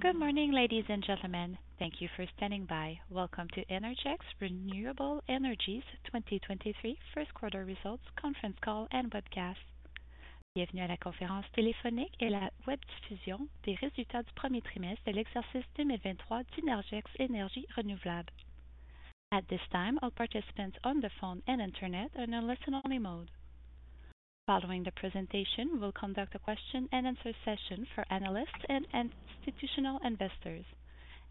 Good morning, ladies and gentlemen. Thank you for standing by. Welcome to Innergex Renewable Energy 2023 First Quarter Results Conference Call and Webcast. At this time, all participants on the phone and Internet are in a listen only mode. Following the presentation, we'll conduct a question and answer session for analysts and institutional investors,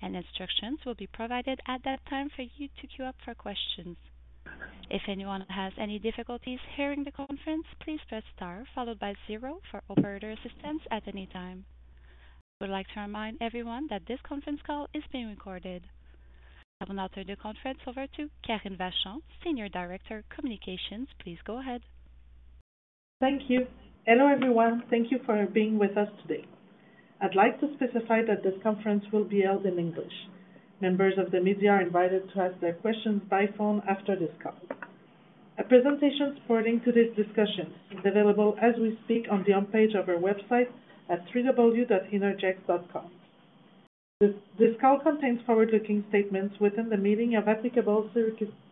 and instructions will be provided at that time for you to queue up for questions. If anyone has any difficulties hearing the conference, please press star followed by zero for operator assistance at any time. I would like to remind everyone that this conference call is being recorded. I will now turn the conference over to Karine Vachon, Senior Director, Communications. Please go ahead. Thank you. Hello, everyone. Thank you for being with us today. I'd like to specify that this conference will be held in English. Members of the media are invited to ask their questions by phone after this call. A presentation supporting today's discussion is available as we speak on the home page of our website at www.innergex.com. This call contains forward-looking statements within the meaning of applicable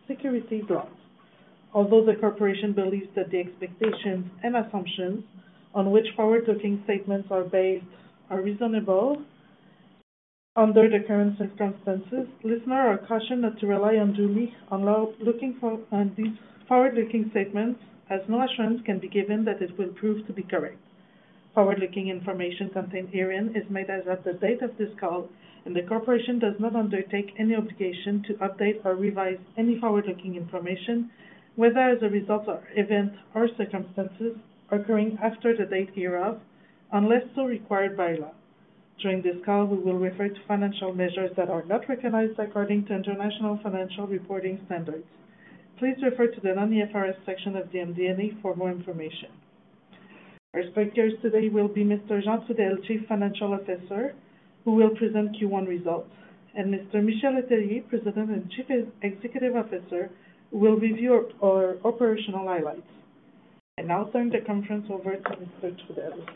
security laws. Although the corporation believes that the expectations and assumptions on which forward-looking statements are based are reasonable under the current circumstances, listeners are cautioned not to rely unduly on these forward-looking statements, as no assurance can be given that it will prove to be correct. Forward-looking information contained herein is made as of the date of this call. The corporation does not undertake any obligation to update or revise any forward-looking information, whether as a result of events or circumstances occurring after the date hereof, unless so required by law. During this call, we will refer to financial measures that are not recognized according to International Financial Reporting Standards. Please refer to the non-IFRS section of the MD&A for more information. Our speakers today will be Mr. Jean Trudel, Chief Financial Officer, who will present Q1 results, and Mr. Michel Letellier, President and Chief Executive Officer, who will review our operational highlights. I now turn the conference over to Mr. Trudel.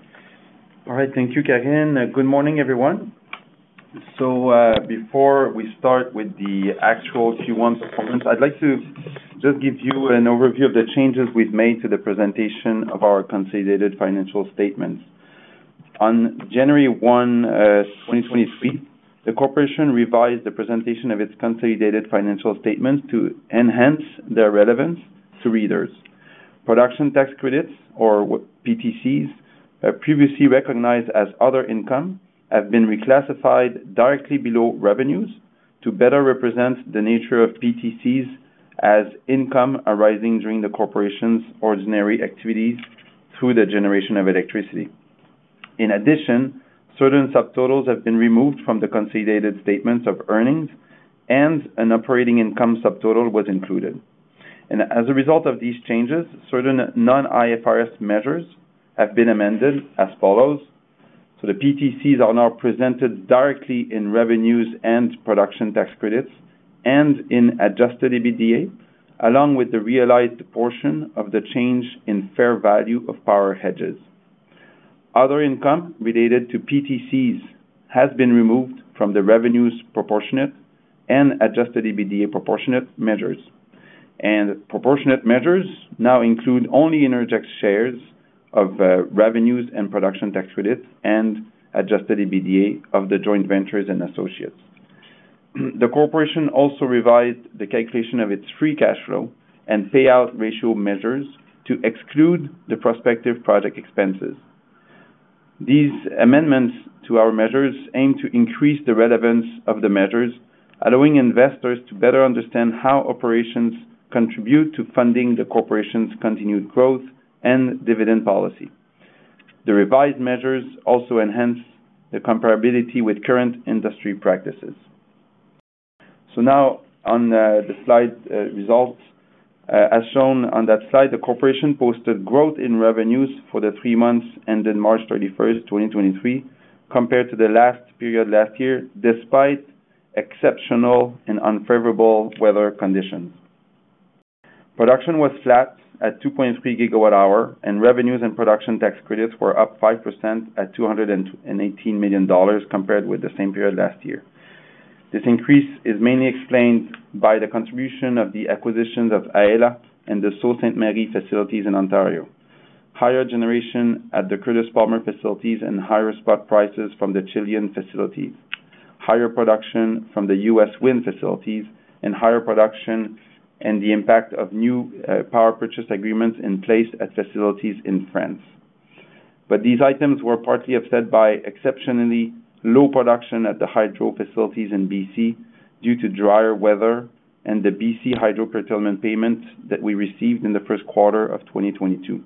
All right. Thank you, Karine. Good morning, everyone. Before we start with the actual Q1 performance, I'd like to just give you an overview of the changes we've made to the presentation of our consolidated financial statements. On January 1, 2023, the corporation revised the presentation of its consolidated financial statements to enhance their relevance to readers. Production Tax Credits, or PTCs, previously recognized as other income, have been reclassified directly below revenues to better represent the nature of PTCs as income arising during the corporation's ordinary activities through the generation of electricity. In addition, certain subtotals have been removed from the consolidated statements of earnings, and an operating income subtotal was included. As a result of these changes, certain non-IFRS measures have been amended as follows. The PTCs are now presented directly in revenues and production tax credits and in Adjusted EBITDA, along with the realized portion of the change in fair value of power hedges. Other income related to PTCs has been removed from the Revenues Proportionate and Adjusted EBITDA Proportionate measures. Proportionate measures now include only Innergex shares of revenues and production tax credits and Adjusted EBITDA of the joint ventures and associates. The corporation also revised the calculation of its Free Cash Flow and Payout Ratio measures to exclude the prospective project expenses. These amendments to our measures aim to increase the relevance of the measures, allowing investors to better understand how operations contribute to funding the corporation's continued growth and dividend policy. The revised measures also enhance the comparability with current industry practices. Now on the slide, results. As shown on that slide, the corporation posted growth in revenues for the 3 months ended March 31, 2023, compared to the last period last year, despite exceptional and unfavorable weather conditions. Production was flat at 2.3 GWh, and revenues and production tax credits were up 5% at 218 million dollars compared with the same period last year. This increase is mainly explained by the contribution of the acquisitions of Aela and the Sault Ste. Marie facilities in Ontario. Higher generation at the Curtis Palmer facilities and higher spot prices from the Chilean facility, higher production from the U.S. wind facilities and higher production and the impact of new power purchase agreements in place at facilities in France. These items were partly offset by exceptionally low production at the hydro facilities in BC due to drier weather and the BC Hydro curtailment payments that we received in the Q1 of 2022.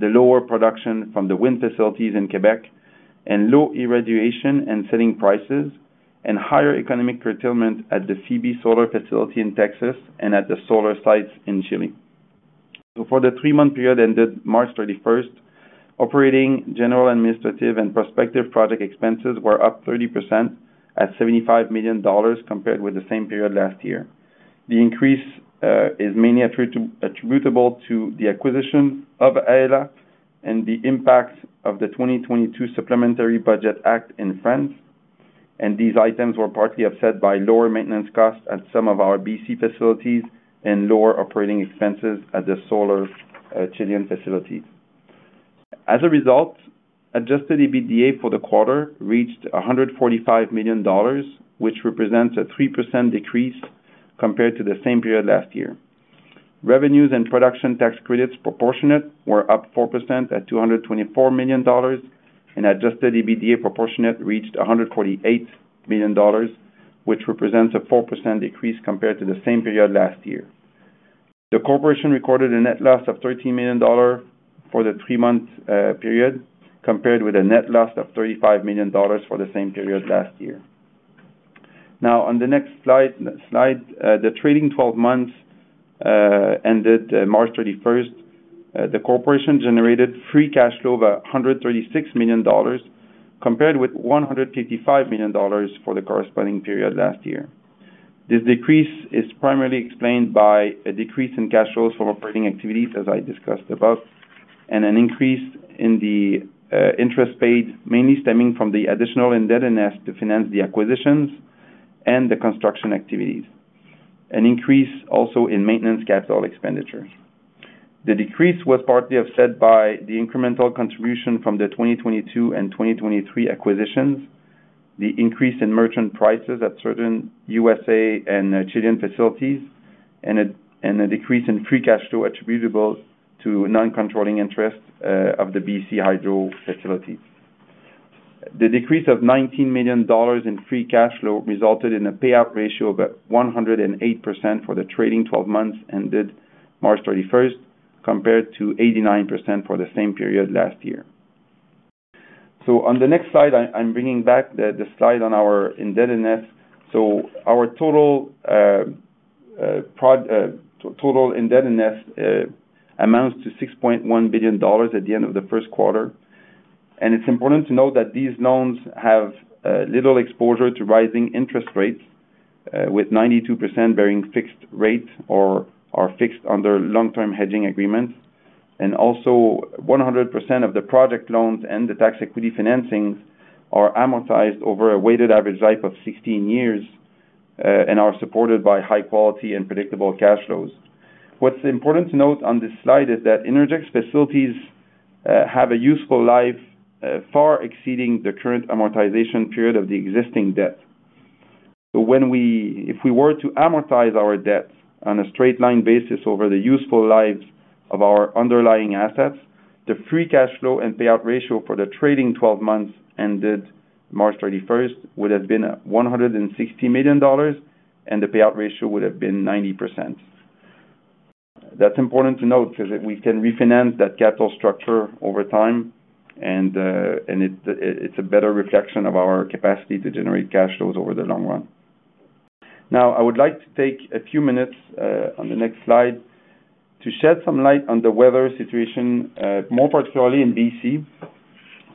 The lower production from the wind facilities in Quebec and low irradiation and selling prices and higher economic curtailment at the Phoebe Solar facility in Texas and at the solar sites in Chile. For the 3-month period ended March 31st, operating, general administrative and prospective project expenses were up 30% at 75 million dollars compared with the same period last year. The increase is mainly attributable to the acquisition of Aela and the impact of the 2022 Supplementary Budget Act in France. These items were partly offset by lower maintenance costs at some of our BC facilities and lower operating expenses at the solar Chilean facilities. As a result, Adjusted EBITDA for the quarter reached 145 million dollars, which represents a 3% decrease compared to the same period last year. Revenues and Production Tax Credits Proportionate were up 4% at 224 million dollars, and Adjusted EBITDA Proportionate reached 148 million dollars, which represents a 4% decrease compared to the same period last year. The corporation recorded a net loss of 13 million dollars for the 3-month period, compared with a net loss of 35 million dollars for the same period last year. On the next slide, the trading 12 months ended March 31st, the corporation generated Free Cash Flow of 136 million dollars, compared with 155 million dollars for the corresponding period last year. This decrease is primarily explained by a decrease in cash flows from operating activities, as I discussed above, and an increase in the interest paid, mainly stemming from the additional indebtedness to finance the acquisitions and the construction activities. An increase also in maintenance capital expenditures. The decrease was partly offset by the incremental contribution from the 2022 and 2023 acquisitions, the increase in merchant prices at certain USA and Chilean facilities, and a decrease in Free Cash Flow attributable to non-controlling interest of the BC Hydro facilities. The decrease of 19 million dollars in Free Cash Flow resulted in a Payout Ratio of 108% for the trading 12 months ended March 31, compared to 89% for the same period last year. On the next slide, I'm bringing back the slide on our indebtedness. Our total indebtedness amounts to 6.1 billion dollars at the end of the Q1. It's important to note that these loans have little exposure to rising interest rates with 92% bearing fixed rate or are fixed under long-term hedging agreements. 100% of the project loans and the tax equity financings are amortized over a weighted average life of 16 years and are supported by high quality and predictable cash flows. What's important to note on this slide is that Innergex facilities have a useful life far exceeding the current amortization period of the existing debt. If we were to amortize our debt on a straight line basis over the useful lives of our underlying assets, the Free Cash Flow and Payout Ratio for the trading 12 months ended March 31st, would have been 160 million dollars, and the Payout Ratio would have been 90%. That's important to note 'cause we can refinance that capital structure over time, and it's a better reflection of our capacity to generate cash flows over the long run. I would like to take a few minutes on the next slide to shed some light on the weather situation, more particularly in BC.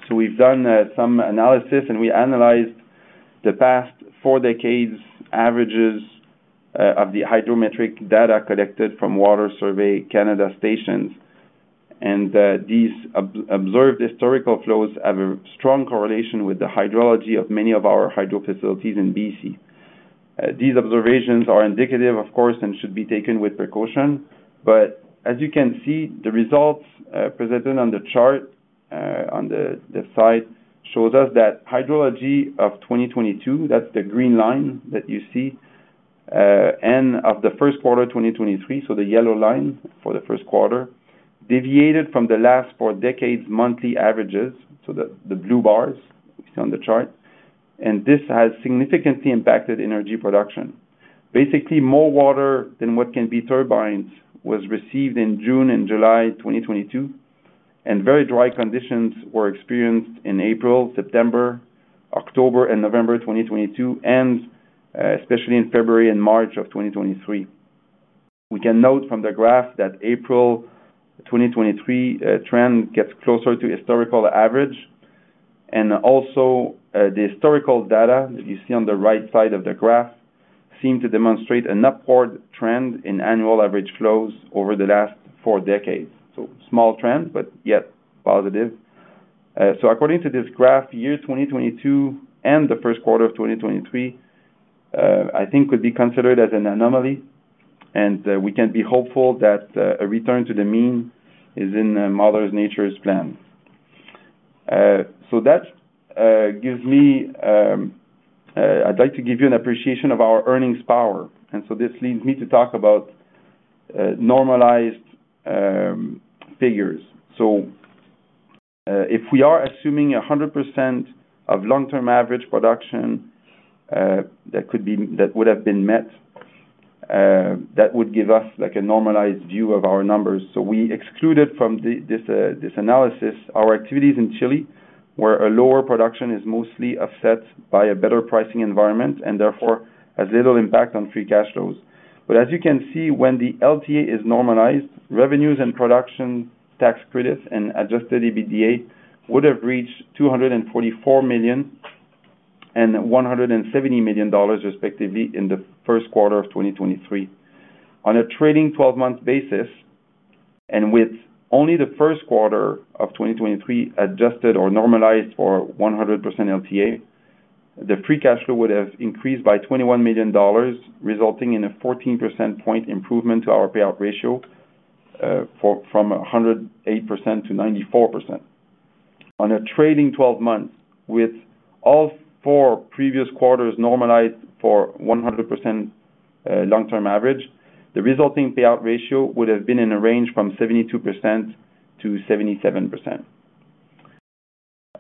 We've done some analysis, and we analyzed the past four decades' averages of the hydrometric data collected from Water Survey of Canada stations. These observed historical flows have a strong correlation with the hydrology of many of our hydro facilities in BC. These observations are indicative, of course, and should be taken with precaution. As you can see, the results presented on the chart on the side, shows us that hydrology of 2022, that's the green line that you see, and of the Q1, 2023, so the yellow line for the Q1, deviated from the last 4 decades monthly averages, so the blue bars you see on the chart, and this has significantly impacted energy production. Basically, more water than what can be turbines was received in June and July 2022, and very dry conditions were experienced in April, September, October, and November 2022, and especially in February and March of 2023. We can note from the graph that April 2023, trend gets closer to historical average. The historical data that you see on the right side of the graph seem to demonstrate an upward trend in annual average flows over the last 4 decades. Small trend, but yet positive. According to this graph, year 2022 and the Q1 of 2023, I think could be considered as an anomaly, and we can be hopeful that a return to the mean is in Mother Nature's plan. I'd like to give you an appreciation of our earnings power. This leads me to talk about normalized figures. If we are assuming 100% of long-term average production, that would have been met, that would give us, like, a normalized view of our numbers. We excluded from this analysis our activities in Chile, where a lower production is mostly offset by a better pricing environment, and therefore, has little impact on Free Cash Flows. As you can see, when the LTA is normalized, Revenues and Production Tax Credits and Adjusted EBITDA would have reached 244 million and 170 million dollars, respectively in the Q1 of 2023. On a trading 12 months basis, with only the Q1 of 2023 adjusted or normalized for 100% LTA, the Free Cash Flow would have increased by 21 million dollars, resulting in a 14 percentage point improvement to our Payout Ratio from 108% to 94%. On a trading 12 months, with all four previous quarters normalized for 100% long-term average, the resulting Payout Ratio would have been in a range from 72%-77%.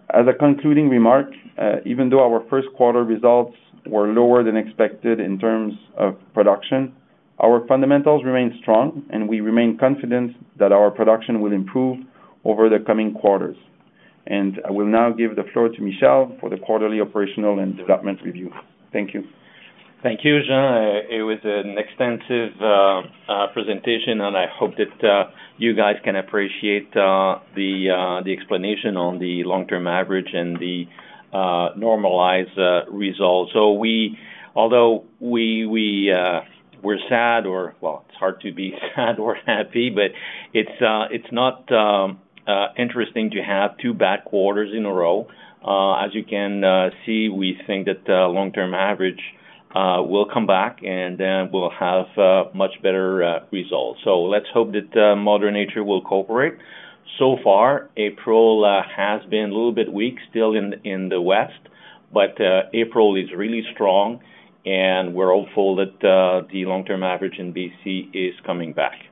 As a concluding remark, even though our Q1 results were lower than expected in terms of production, our fundamentals remain strong, and we remain confident that our production will improve over the coming quarters. I will now give the floor to Michel for the quarterly operational and development review. Thank you. Thank you, Jean. It was an extensive presentation. I hope that you guys can appreciate the explanation on the long-term average and the normalized results. Although we're sad or, Well, it's hard to be sad or happy, but it's not interesting to have two bad quarters in a row. As you can see, we think that long-term average will come back and then we'll have much better results. Let's hope that mother nature will cooperate. So far, April has been a little bit weak still in the west, but April is really strong, and we're hopeful that the long-term average in BC is coming back.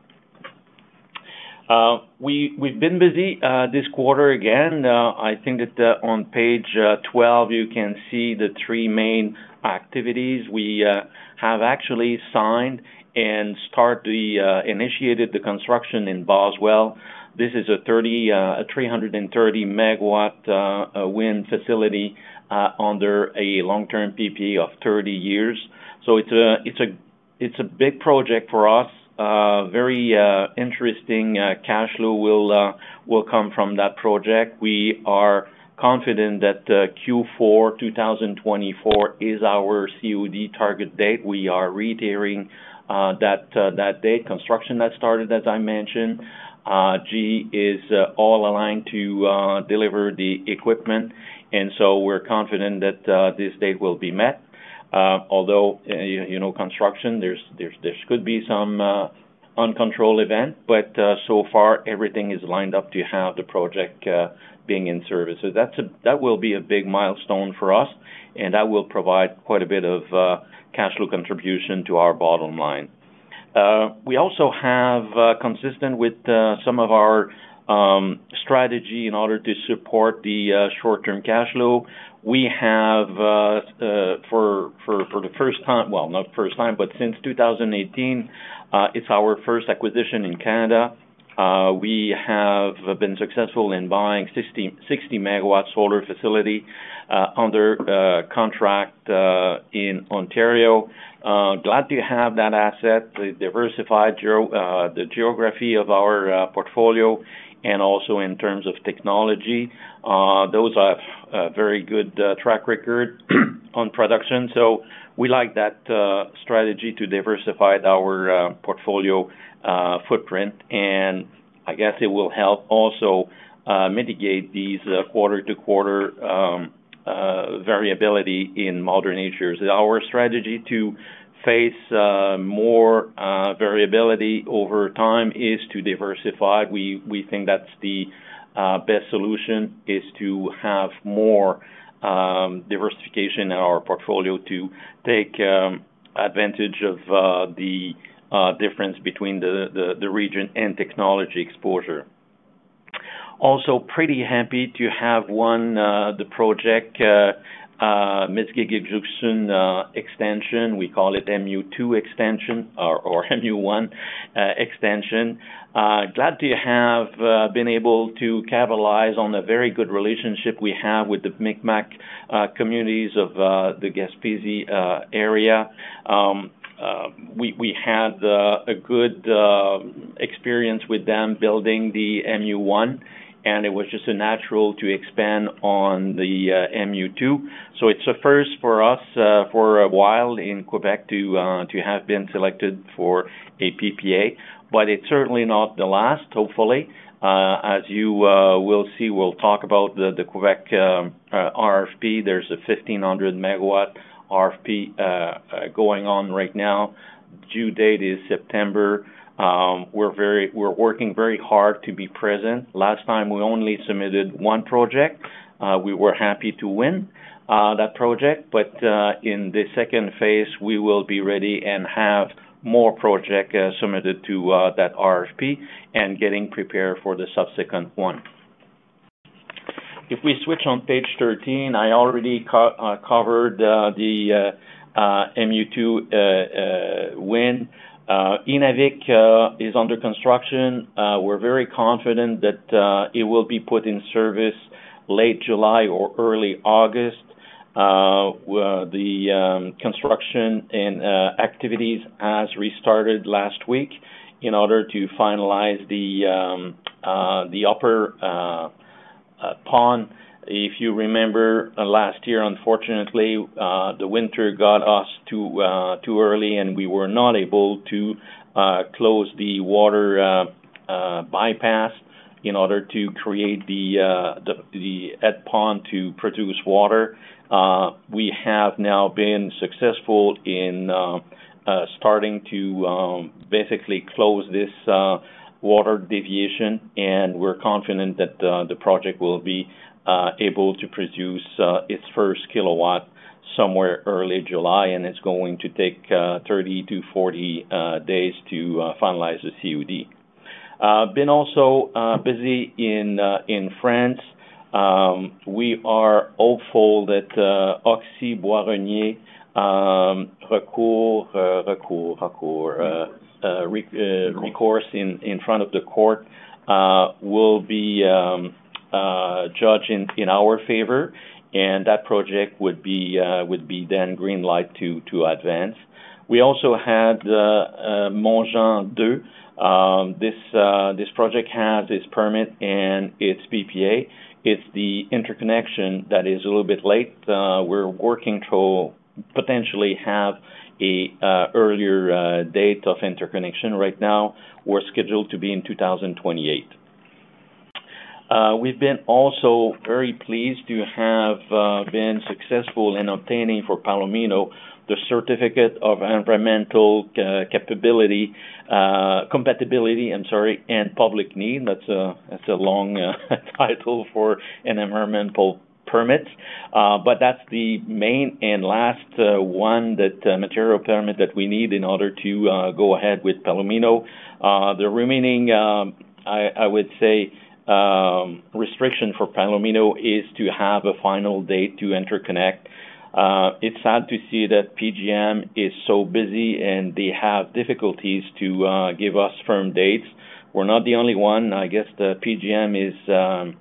We've been busy this quarter again. I think that on page 12, you can see the three main activities. We have actually signed and initiated the construction in Boswell. This is a 330 MW wind facility under a long-term PPA of 30 years. It's a big project for us. Very interesting cash flow will come from that project. We are confident that Q4 2024 is our COD target date. We are reiterating that date. Construction has started, as I mentioned. GE is all aligned to deliver the equipment, we're confident that this date will be met. although construction, there's, there's, there could be some, uncontrolled event, but, so far, everything is lined up to have the project, being in service. That will be a big milestone for us, and that will provide quite a bit of, cash flow contribution to our bottom line. we also have, consistent with, some of our, um, strategy in order to support the, short-term cash flow, we have, for, for, for the first time... Well, not the first time, but since two thousand and eighteen, it's our first acquisition in Canada. we have been successful in buying sixty, sixty Megawatt solar facility, under, contract, in Ontario. glad to have that asset. We diversified geo-- the geography of our, portfolio and also in terms of technology. Those are a very good track record on production. We like that strategy to diversify our portfolio footprint. I guess it will help also mitigate these quarter-to-quarter variability in modern natures. Our strategy to face more variability over time is to diversify. We think that's the best solution, is to have more diversification in our portfolio to take advantage of the difference between the region and technology exposure. Also, pretty happy to have won the project Mesgi'g Ugju's'n extension. We call it MU-2 extension or MU-1 extension. Glad to have been able to capitalize on the very good relationship we have with the Mi'kmaq communities of the Gaspésie area. We had a good experience with them building the MU-1. It was just natural to expand on the MU-2. It's a first for us for a while in Quebec to have been selected for a PPA, but it's certainly not the last, hopefully. As you will see, we'll talk about the Quebec RFP. There's a 1,500 Megawatt RFP going on right now. Due date is September. We're working very hard to be present. Last time, we only submitted one project. We were happy to win that project. In the second phase, we will be ready and have more project submitted to that RFP and getting prepared for the subsequent one. We switch on page 13, I already covered the MU-2 wind. Inuvik is under construction. We're very confident that it will be put in service late July or early August. Well, the construction and activities has restarted last week in order to finalize the upper Headpond, if you remember last year, unfortunately, the winter got us too early, and we were not able to close the water bypass in order to create the Headpond to produce water. We have now been successful in starting to basically close this water deviation. We're confident that the project will be able to produce its first kilowatt somewhere early July. It's going to take 30-40 days to finalize the COD. Been also busy in France. We are hopeful that Oxy, Bois-Renier and Recour. Recourse in front of the court will be judged in our favor, and that project would be then green-light to advance. We also had Montjean 2. This project has its permit and its PPA. It's the interconnection that is a little bit late. We're working to potentially have a earlier date of interconnection. Right now, we're scheduled to be in 2028. We've been also very pleased to have been successful in obtaining for Palomino the Certificate of Environmental Compatibility and Public Need. That's a long title for an environmental permit. That's the main and last one that material permit that we need in order to go ahead with Palomino. The remaining, I would say, restriction for Palomino is to have a final date to interconnect. It's sad to see that PJM is so busy, and they have difficulties to give us firm dates. We're not the only one. I guess the PJM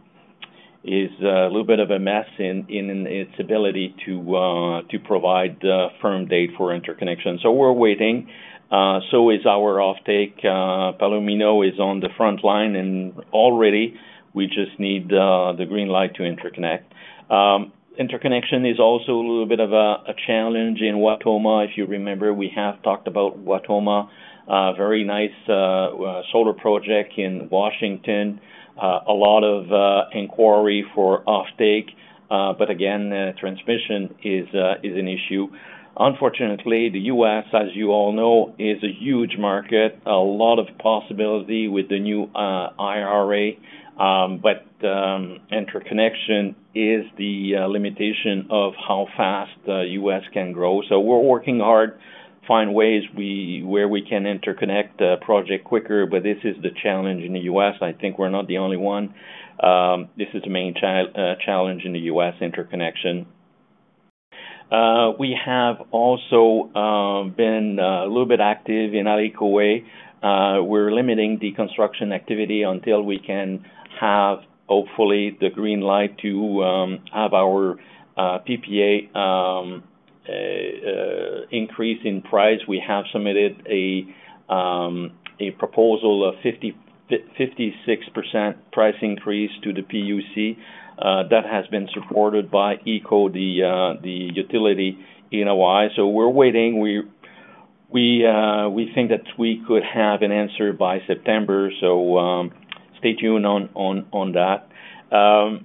is a little bit of a mess in its ability to provide a firm date for interconnection. We're waiting. So is our offtake. Palomino is on the front line, and all ready. We just need the green light to interconnect. Interconnection is also a little bit of a challenge in Wautoma. If you remember, we have talked about Wautoma, a very nice solar project in Washington. A lot of inquiry for offtake, again, transmission is an issue. Unfortunately, the U.S., as you all know, is a huge market, a lot of possibility with the new IRA, interconnection is the limitation of how fast the U.S. can grow. We're working hard find ways where we can interconnect the project quicker, but this is the challenge in the U.S. I think we're not the only one. This is the main challenge in the U.S., interconnection. We have also been a little bit active in ADICOE. We're limiting the construction activity until we can have, hopefully, the green light to have our PPA increase in price. We have submitted a proposal of 56% price increase to the PUC that has been supported by HECO, the utility in Hawaii. We're waiting. We think that we could have an answer by September. Stay tuned on that. I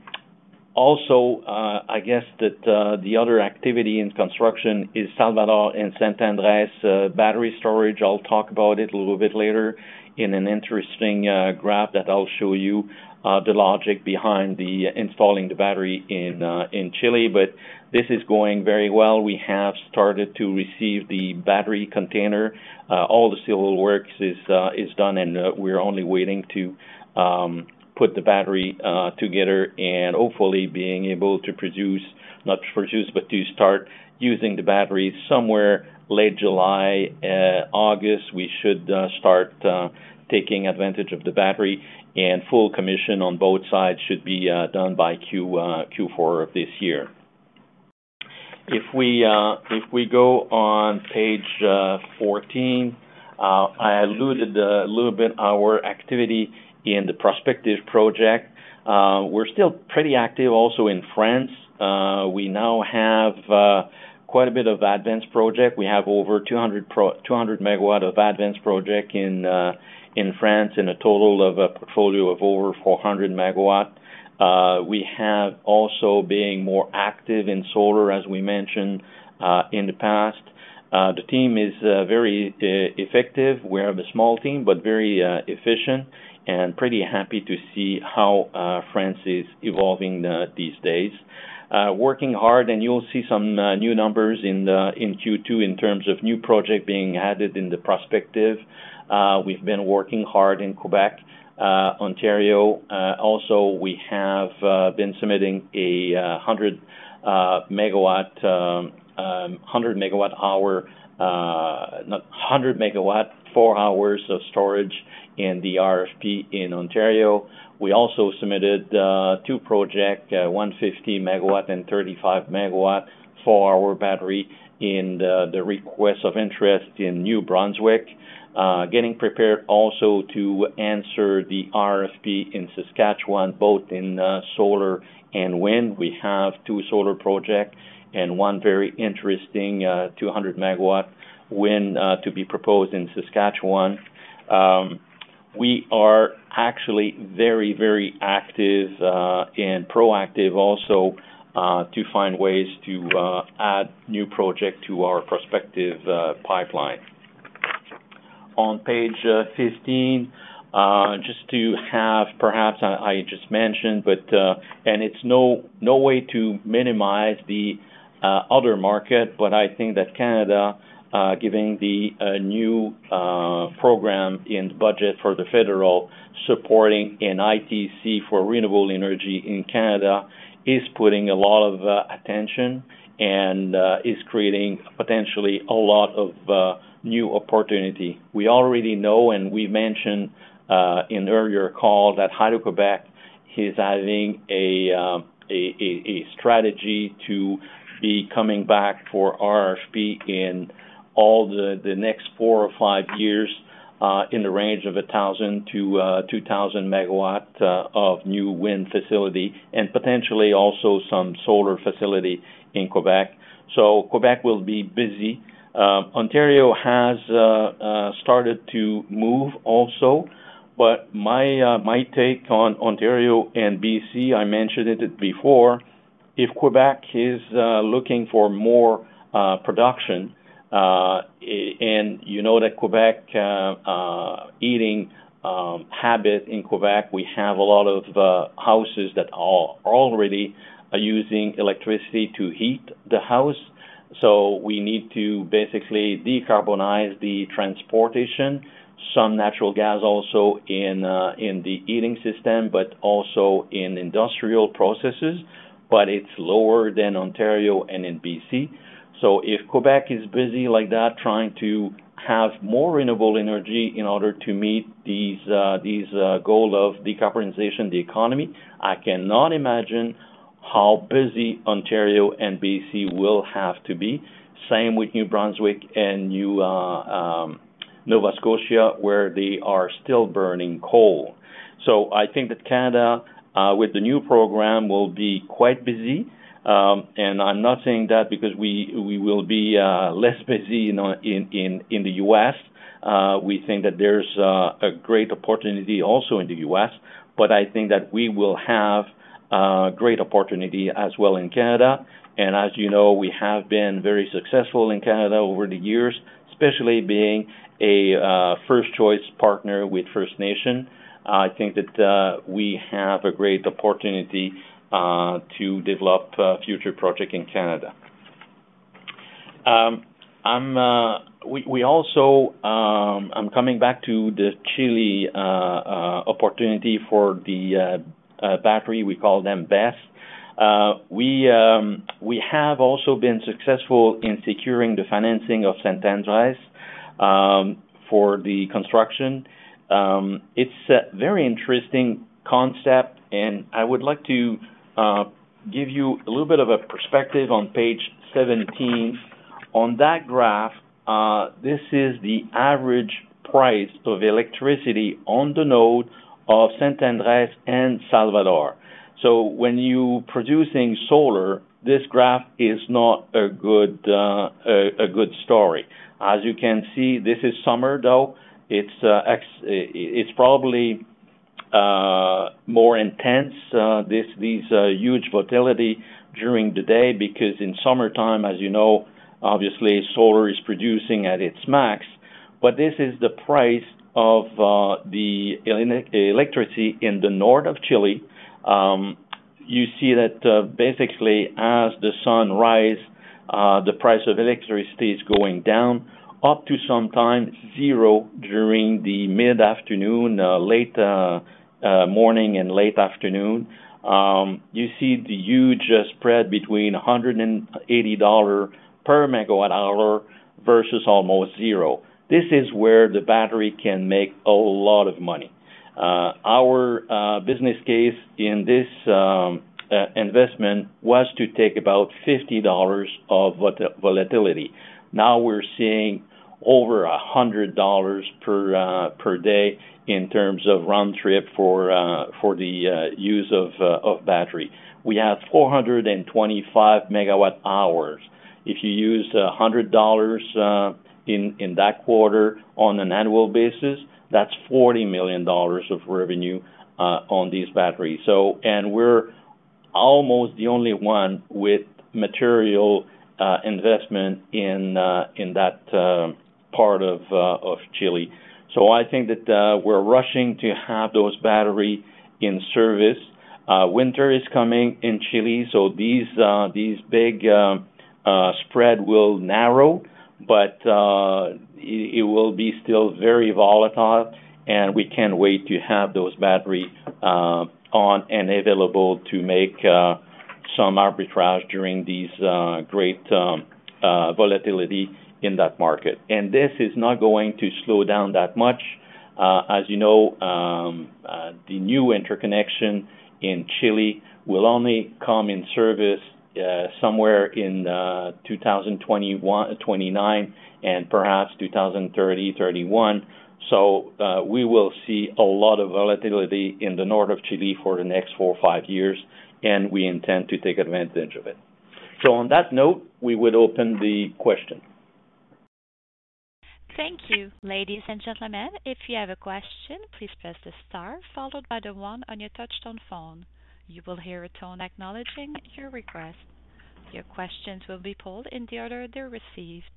guess that the other activity in construction is Salvador and San Andrés battery storage. I'll talk about it a little bit later in an interesting graph that I'll show you the logic behind the installing the battery in Chile. This is going very well. We have started to receive the battery container. All the civil works is done, and we're only waiting to put the battery together and hopefully being able to not produce, but to start using the battery somewhere late July. August, we should start taking advantage of the battery. Full commission on both sides should be done by Q4 of this year. If we go on page 14, I alluded a little bit our activity in the prospective project. We're still pretty active also in France. We now have quite a bit of advanced project. We have over 200 Megawatt of advanced project in France in a total of a portfolio of over 400 Megawatt. We have also been more active in solar, as we mentioned in the past. The team is very effective. We have a small team, but very efficient and pretty happy to see how France is evolving these days. Working hard, and you'll see some new numbers in Q2 in terms of new project being added in the prospective. We've been working hard in Quebec, Ontario. Also, we have been submitting a 100 Megawatt, 100-Megawatt-hour, no, 100 Megawatt 4 hours of storage in the RFP in Ontario. We also submitted 2 project, 150 Megawatt and 35 Megawatt for our battery in the request of interest in New Brunswick. Getting prepared also to answer the RFP in Saskatchewan, both in solar and wind. We have 2 solar projects and one very interesting 200 Megawatt wind to be proposed in Saskatchewan. We are actually very, very active and proactive also to find ways to add new project to our prospective pipeline. On page 15, just to have perhaps I just mentioned, but and it's no way to minimize the other market, but I think that Canada, giving the new program in budget for the federal supporting an ITC for renewable energy in Canada is putting a lot of attention and is creating potentially a lot of new opportunity. We already know and we mentioned in earlier calls that Hydro-Québec is adding a strategy to be coming back for RFP in all the next 4 or 5 years, in the range of 1,000 to 2,000 Megawatt of new wind facility and potentially also some solar facility in Québec. Québec will be busy. Ontario has started to move also, but my take on Ontario and BC, I mentioned it before, if Québec is looking for more production, and that Québec eating habit in Québec, we have a lot of houses that are already are using electricity to heat the house. We need to basically decarbonize the transportation, some natural gas also in the heating system, but also in industrial processes, but it's lower than Ontario and in BC. If Québec is busy like that, trying to have more renewable energy in order to meet these goal of decarbonization the economy, I cannot imagine how busy Ontario and BC will have to be. Same with New Brunswick and Nova Scotia, where they are still burning coal. I think that Canada, with the new program will be quite busy. I'm not saying that because we will be less busy in the U.S. We think that there's a great opportunity also in the U.S., but I think that we will have great opportunity as well in Canada. As, we have been very successful in Canada over the years, especially being a first-choice partner with First Nation. I think that we have a great opportunity to develop future project in Canada. We also, I'm coming back to the Chile opportunity for the battery. We call them BESS. We have also been successful in securing the financing of San Andrés for the construction. It's a very interesting concept, and I would like to give you a little bit of a perspective on page 17. On that graph, this is the average price of electricity on the node of San Andrés and Salvador. When you producing solar, this graph is not a good, a good story. As you can see, this is summer though. It's, it's probably more intense, this, these, huge volatility during the day because in summertime, as, obviously, solar is producing at its max. This is the price of the electricity in the north of Chile. You see that, basically, as the sun rise, the price of electricity is going down, up to sometime zero during the mid-afternoon, late, morning and late afternoon. You see the huge spread between $180 per MWh versus almost 0. This is where the battery can make a lot of money. Our business case in this investment was to take about $50 of volatility. Now, we're seeing over $100 per day in terms of round trip for the use of battery. We have 425 MWh. If you use $100 in that quarter on an annual basis, that's $40 million of revenue on these batteries. We're almost the only one with material investment in that part of Chile. I think that we're rushing to have those battery in service. Winter is coming in Chile. These big spread will narrow, but it will be still very volatile, and we can't wait to have those battery on and available to make some arbitrage during these great volatility in that market. This is not going to slow down that much. As, the new interconnection in Chile will only come in service somewhere in 2029 and perhaps 2030, 2031. We will see a lot of volatility in the north of Chile for the next four or five years, and we intend to take advantage of it. On that note, we would open the question. Thank you. Ladies and gentlemen, if you have a question, please press the star followed by 1 on your touch-tone phone. You will hear a tone acknowledging your request. Your questions will be pulled in the order they're received.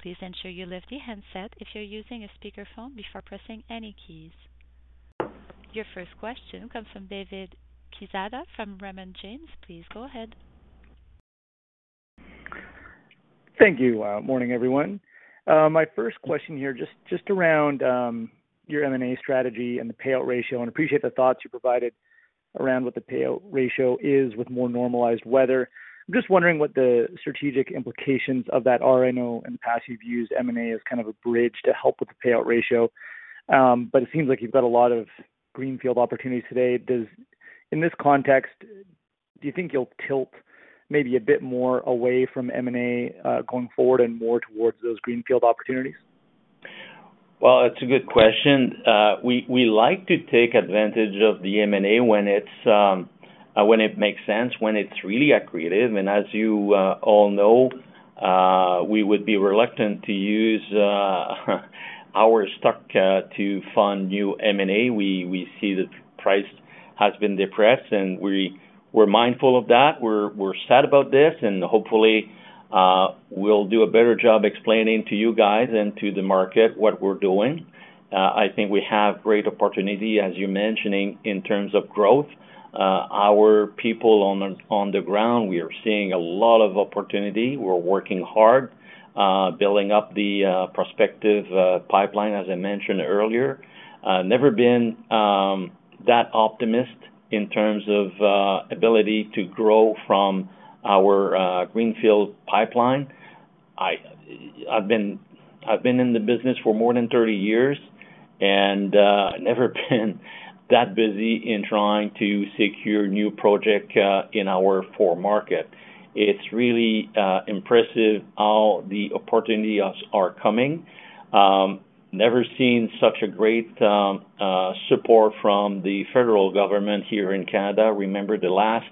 Please ensure you lift the handset if you're using a speakerphone before pressing any keys. Your first question comes from David Quezada from Raymond James. Please go ahead. Thank you. Morning, everyone. My first question here, just around your M&A strategy and the payout ratio. Appreciate the thoughts you provided around what the payout ratio is with more normalized weather. I'm just wondering what the strategic implications of that are. I know in the past you've used M&A as kind of a bridge to help with the payout ratio, but it seems like you've got a lot of greenfield opportunities today. In this context, do you think you'll tilt maybe a bit more away from M&A going forward and more towards those greenfield opportunities? Well, it's a good question. We like to take advantage of the M&A when it's when it makes sense, when it's really accretive. As you all know, we would be reluctant to use our stock to fund new M&A. We see that price has been depressed, and we're mindful of that. We're sad about this, and hopefully, we'll do a better job explaining to you guys and to the market what we're doing. I think we have a great opportunity, as you're mentioning, in terms of growth. Our people on the ground, we are seeing a lot of opportunity. We're working hard, building up the prospective pipeline, as I mentioned earlier. Never been that optimist in terms of ability to grow from our greenfield pipeline. I've been in the business for more than 30 years, and I've never been that busy in trying to secure new project in our four market. It's really impressive how the opportunities are coming. Never seen such a great support from the federal government here in Canada. Remember, the last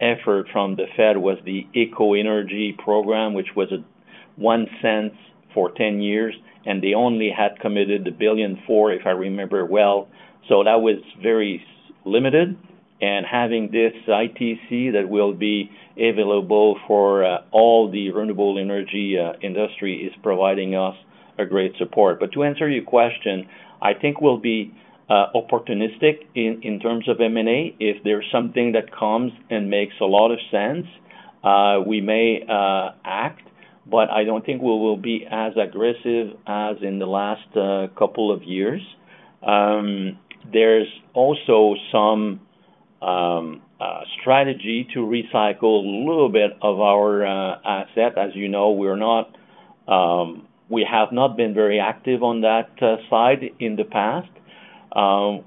effort from the Fed was the ecoENERGY program, which was a 1 cent for 10 years, and they only had committed 1 billion for, if I remember well. That was very limited. Having this ITC that will be available for all the renewable energy industry is providing us a great support. To answer your question, I think we'll be opportunistic in terms of M&A. If there's something that comes and makes a lot of sense, we may act. I don't think we will be as aggressive as in the last couple of years. There's also some strategy to recycle a little bit of our asset. As we're not, we have not been very active on that side in the past.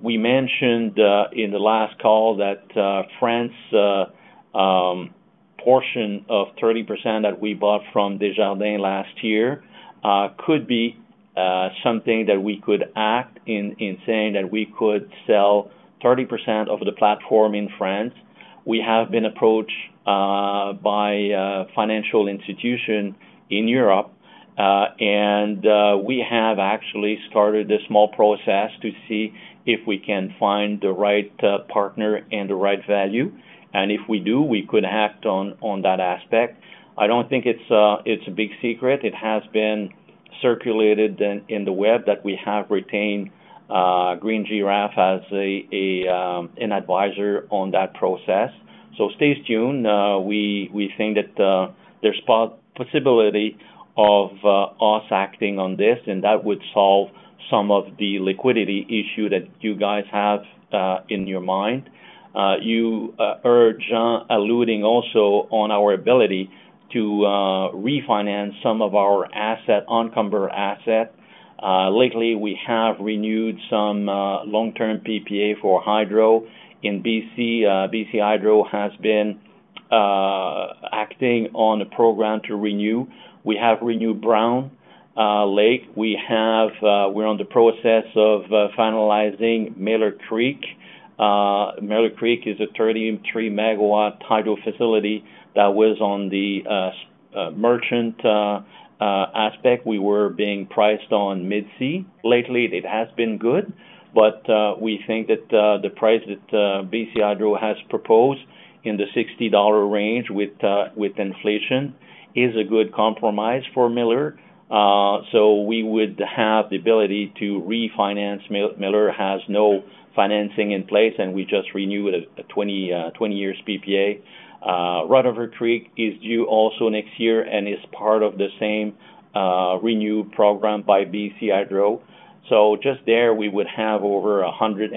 We mentioned in the last call that France portion of 30% that we bought from Desjardins last year could be something that we could act in saying that we could sell 30% of the platform in France. We have been approached by a financial institution in Europe. We have actually started a small process to see if we can find the right partner and the right value. If we do, we could act on that aspect. I don't think it's a big secret. It has been circulated in the web that we have retained Green Giraffe as an advisor on that process. Stay tuned. We think that there's possibility of us acting on this, and that would solve some of the liquidity issue that you guys have in your mind. You heard Jean alluding also on our ability to refinance some of our asset, encumber asset. Lately, we have renewed some long-term PPA for hydro in BC. BC Hydro has been acting on a program to renew. We have renewed Brown Lake. We're in the process of finalizing Miller Creek. Miller Creek is a 33 MW hydro facility that was on the merchant aspect. We were being priced on Mid-C. Lately, it has been good, we think that the price that BC Hydro has proposed in the $60 range with inflation is a good compromise for Miller. We would have the ability to refinance. Miller has no financing in place, and we just renewed a 20-year PPA. Rutherford Creek is due also next year and is part of the same renew program by BC Hydro. Just there, we would have over 100.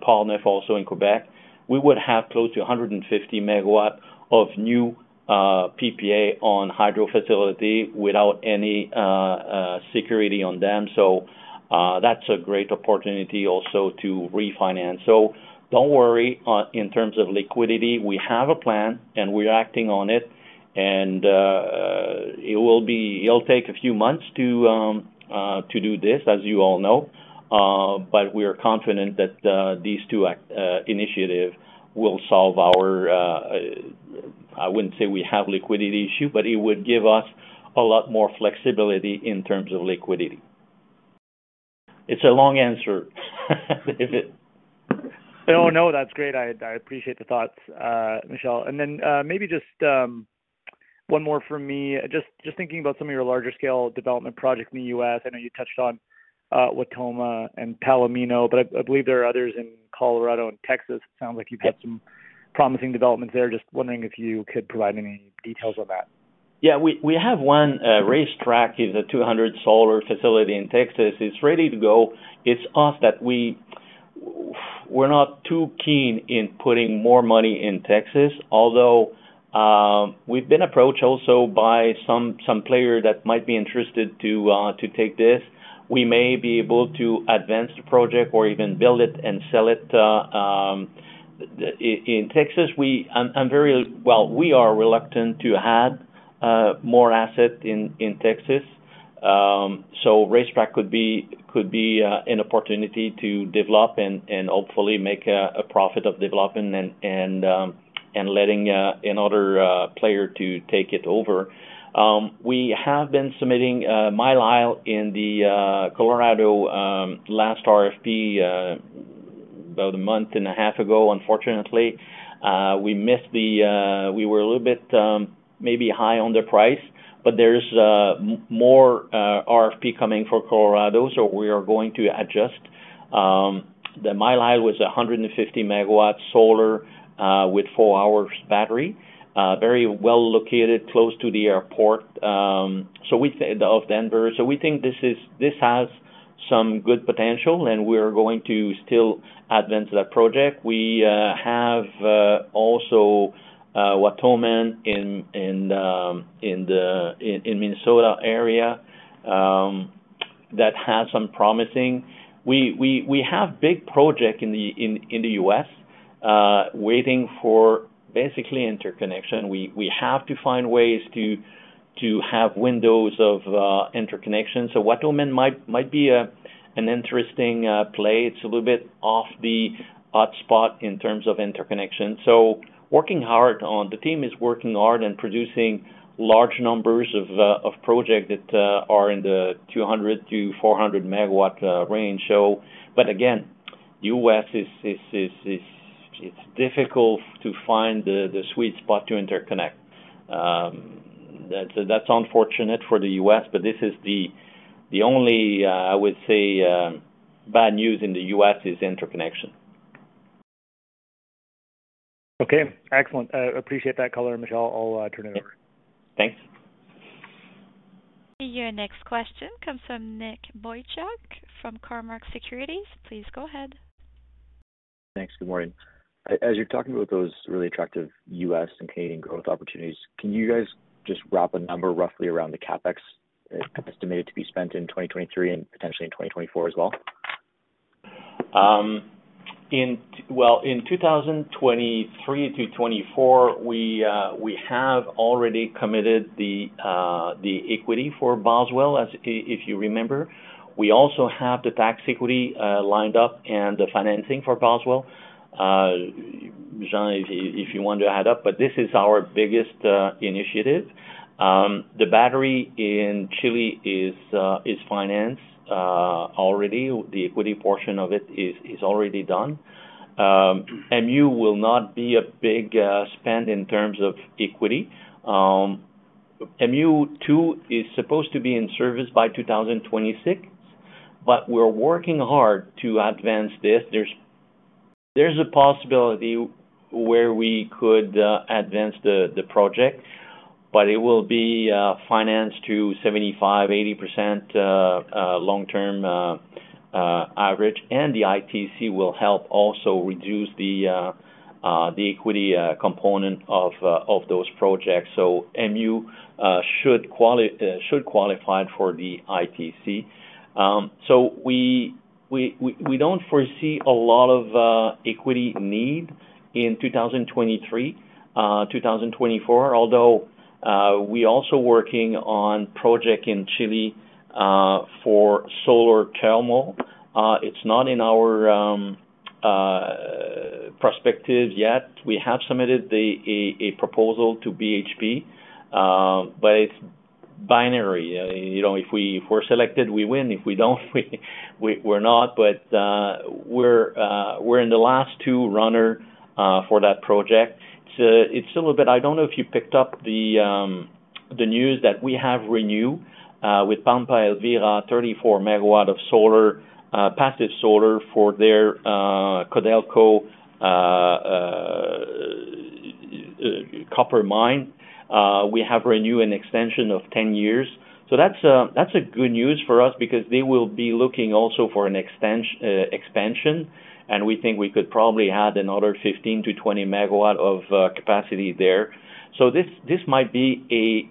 Portneuf also in Quebec. We would have close to 150 MW of new PPA on hydro facility without any security on them. That's a great opportunity also to refinance. Don't worry in terms of liquidity. We have a plan, and we're acting on it. It'll take a few months to do this, as you all know. But we are confident that these two initiative will solve our... I wouldn't say we have liquidity issue, but it would give us a lot more flexibility in terms of liquidity. It's a long answer. Is it? Oh, no, that's great. I appreciate the thoughts, Michel. Maybe just one more for me. Just thinking about some of your larger scale development projects in the U.S. I know you touched on Wautoma and Palomino, but I believe there are others in Colorado and Texas. It sounds like you've had some promising developments there. Just wondering if you could provide any details on that? We have one Racetrack. It's a 200 solar facility in Texas. It's ready to go. We're not too keen in putting more money in Texas, although we've been approached also by some player that might be interested to take this. We may be able to advance the project or even build it and sell it. In Texas, Well, we are reluctant to add more asset in Texas. Racetrack could be an opportunity to develop and hopefully make a profit of developing and letting another player to take it over. We have been submitting Mile Isle in the Colorado last RFP about a month and a half ago. Unfortunately, we missed. We were a little bit, maybe high on the price. There's more RFP coming for Colorado, so we are going to adjust. The Mile Isle was 150 MW solar, with 4 hours battery, very well located close to the airport of Denver. We think this has some good potential, and we're going to still advance that project. We have also Wautoma in the Washington state area, that has some promising. We have big project in the U.S, waiting for basically interconnection. We have to find ways to have windows of interconnection. Wautoma might be an interesting play. It's a little bit off the hotspot in terms of interconnection. The team is working hard and producing large numbers of project that are in the 200-400 MW range. Again, U.S. is difficult to find the sweet spot to interconnect. That's unfortunate for the U.S., but this is the only I would say bad news in the U.S. is interconnection. Okay. Excellent. Appreciate that color, Michel. I'll turn it over. Thanks. Your next question comes from Nick Boychuk from Cormark Securities. Please go ahead. Thanks. Good morning. As you're talking about those really attractive U.S. and Canadian growth opportunities, can you guys just wrap a number roughly around the CapEx estimated to be spent in 2023 and potentially in 2024 as well? Well, in 2023-2024, we have already committed the equity for Boswell, if you remember. We also have the tax equity lined up and the financing for Boswell. John, if you want to add up, this is our biggest initiative. The battery in Chile is financed already. The equity portion of it is already done. MU will not be a big spend in terms of equity. MU-2 is supposed to be in service by 2026, we're working hard to advance this. There's a possibility where we could advance the project, it will be financed to 75%-80% long-term average. The ITC will help also reduce the equity component of those projects. MU should qualify for the ITC. We don't foresee a lot of equity need in 2023, 2024, although we're also working on project in Chile for solar thermal. It's not in our perspective yet. We have submitted a proposal to BHP, it's binary. if we're selected, we win. If we don't, we're not. We're in the last 2 runner for that project. It's a little bit I don't know if you picked up the news that we have renew with Pampa Elvira, 34 MW of solar, passive solar for their Codelco copper mine. We have renew an extension of 10 years. That's a, that's a good news for us because they will be looking also for an expansion, and we think we could probably add another 15-20 MW of capacity there. This, this might be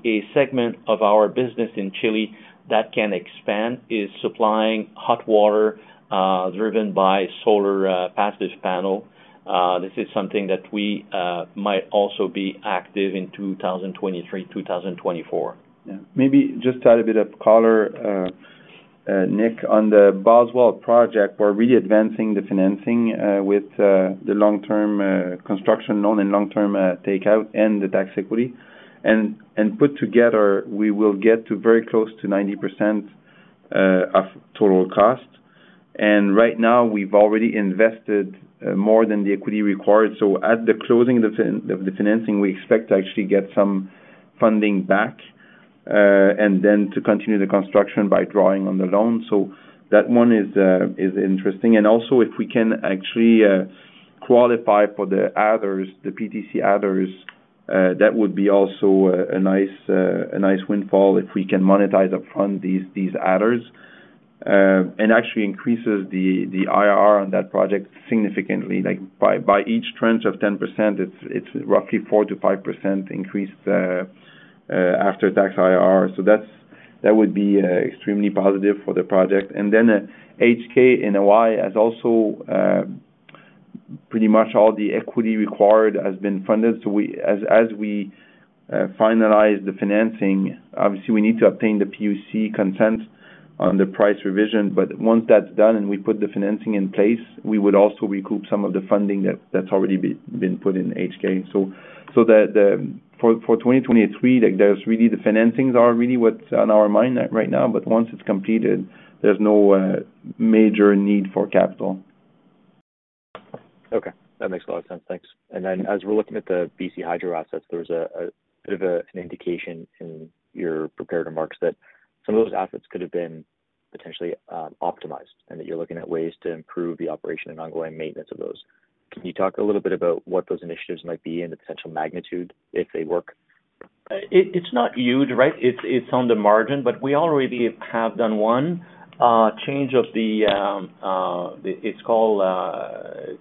a segment of our business in Chile that can expand, is supplying hot water, driven by solar passage panel. This is something that we might also be active in 2023, 2024. Maybe just to add a bit of color, Nick, on the Boswell project, we're really advancing the financing with the long-term construction loan and long-term takeout and the tax equity. Put together, we will get to very close to 90% of total cost. Right now, we've already invested more than the equity required. At the closing of the financing, we expect to actually get some funding back and then to continue the construction by drawing on the loan. That one is interesting. Also, if we can actually qualify for the others, the PTC others, that would be also a nice windfall if we can monetize upfront these others. Actually increases the IRR on that project significantly, like by each trench of 10%, it's roughly 4%-5% increase after tax IRR. That would be extremely positive for the project. HK and Y has also pretty much all the equity required has been funded. As we finalize the financing, obviously, we need to obtain the PUC consent on the price revision. Once that's done and we put the financing in place, we would also recoup some of the funding that's already been put in HK. For 2023, like, there's really the financings are really what's on our mind right now. Once it's completed, there's no major need for capital. Okay. That makes a lot of sense. Thanks. As we're looking at the BC Hydro assets, there's a, there's an indication in your prepared remarks that some of those assets could have been potentially optimized and that you're looking at ways to improve the operation and ongoing maintenance of those. Can you talk a little bit about what those initiatives might be and the potential magnitude if they work? It's not huge, right? It's on the margin, but we already have done one, change of the, it's called,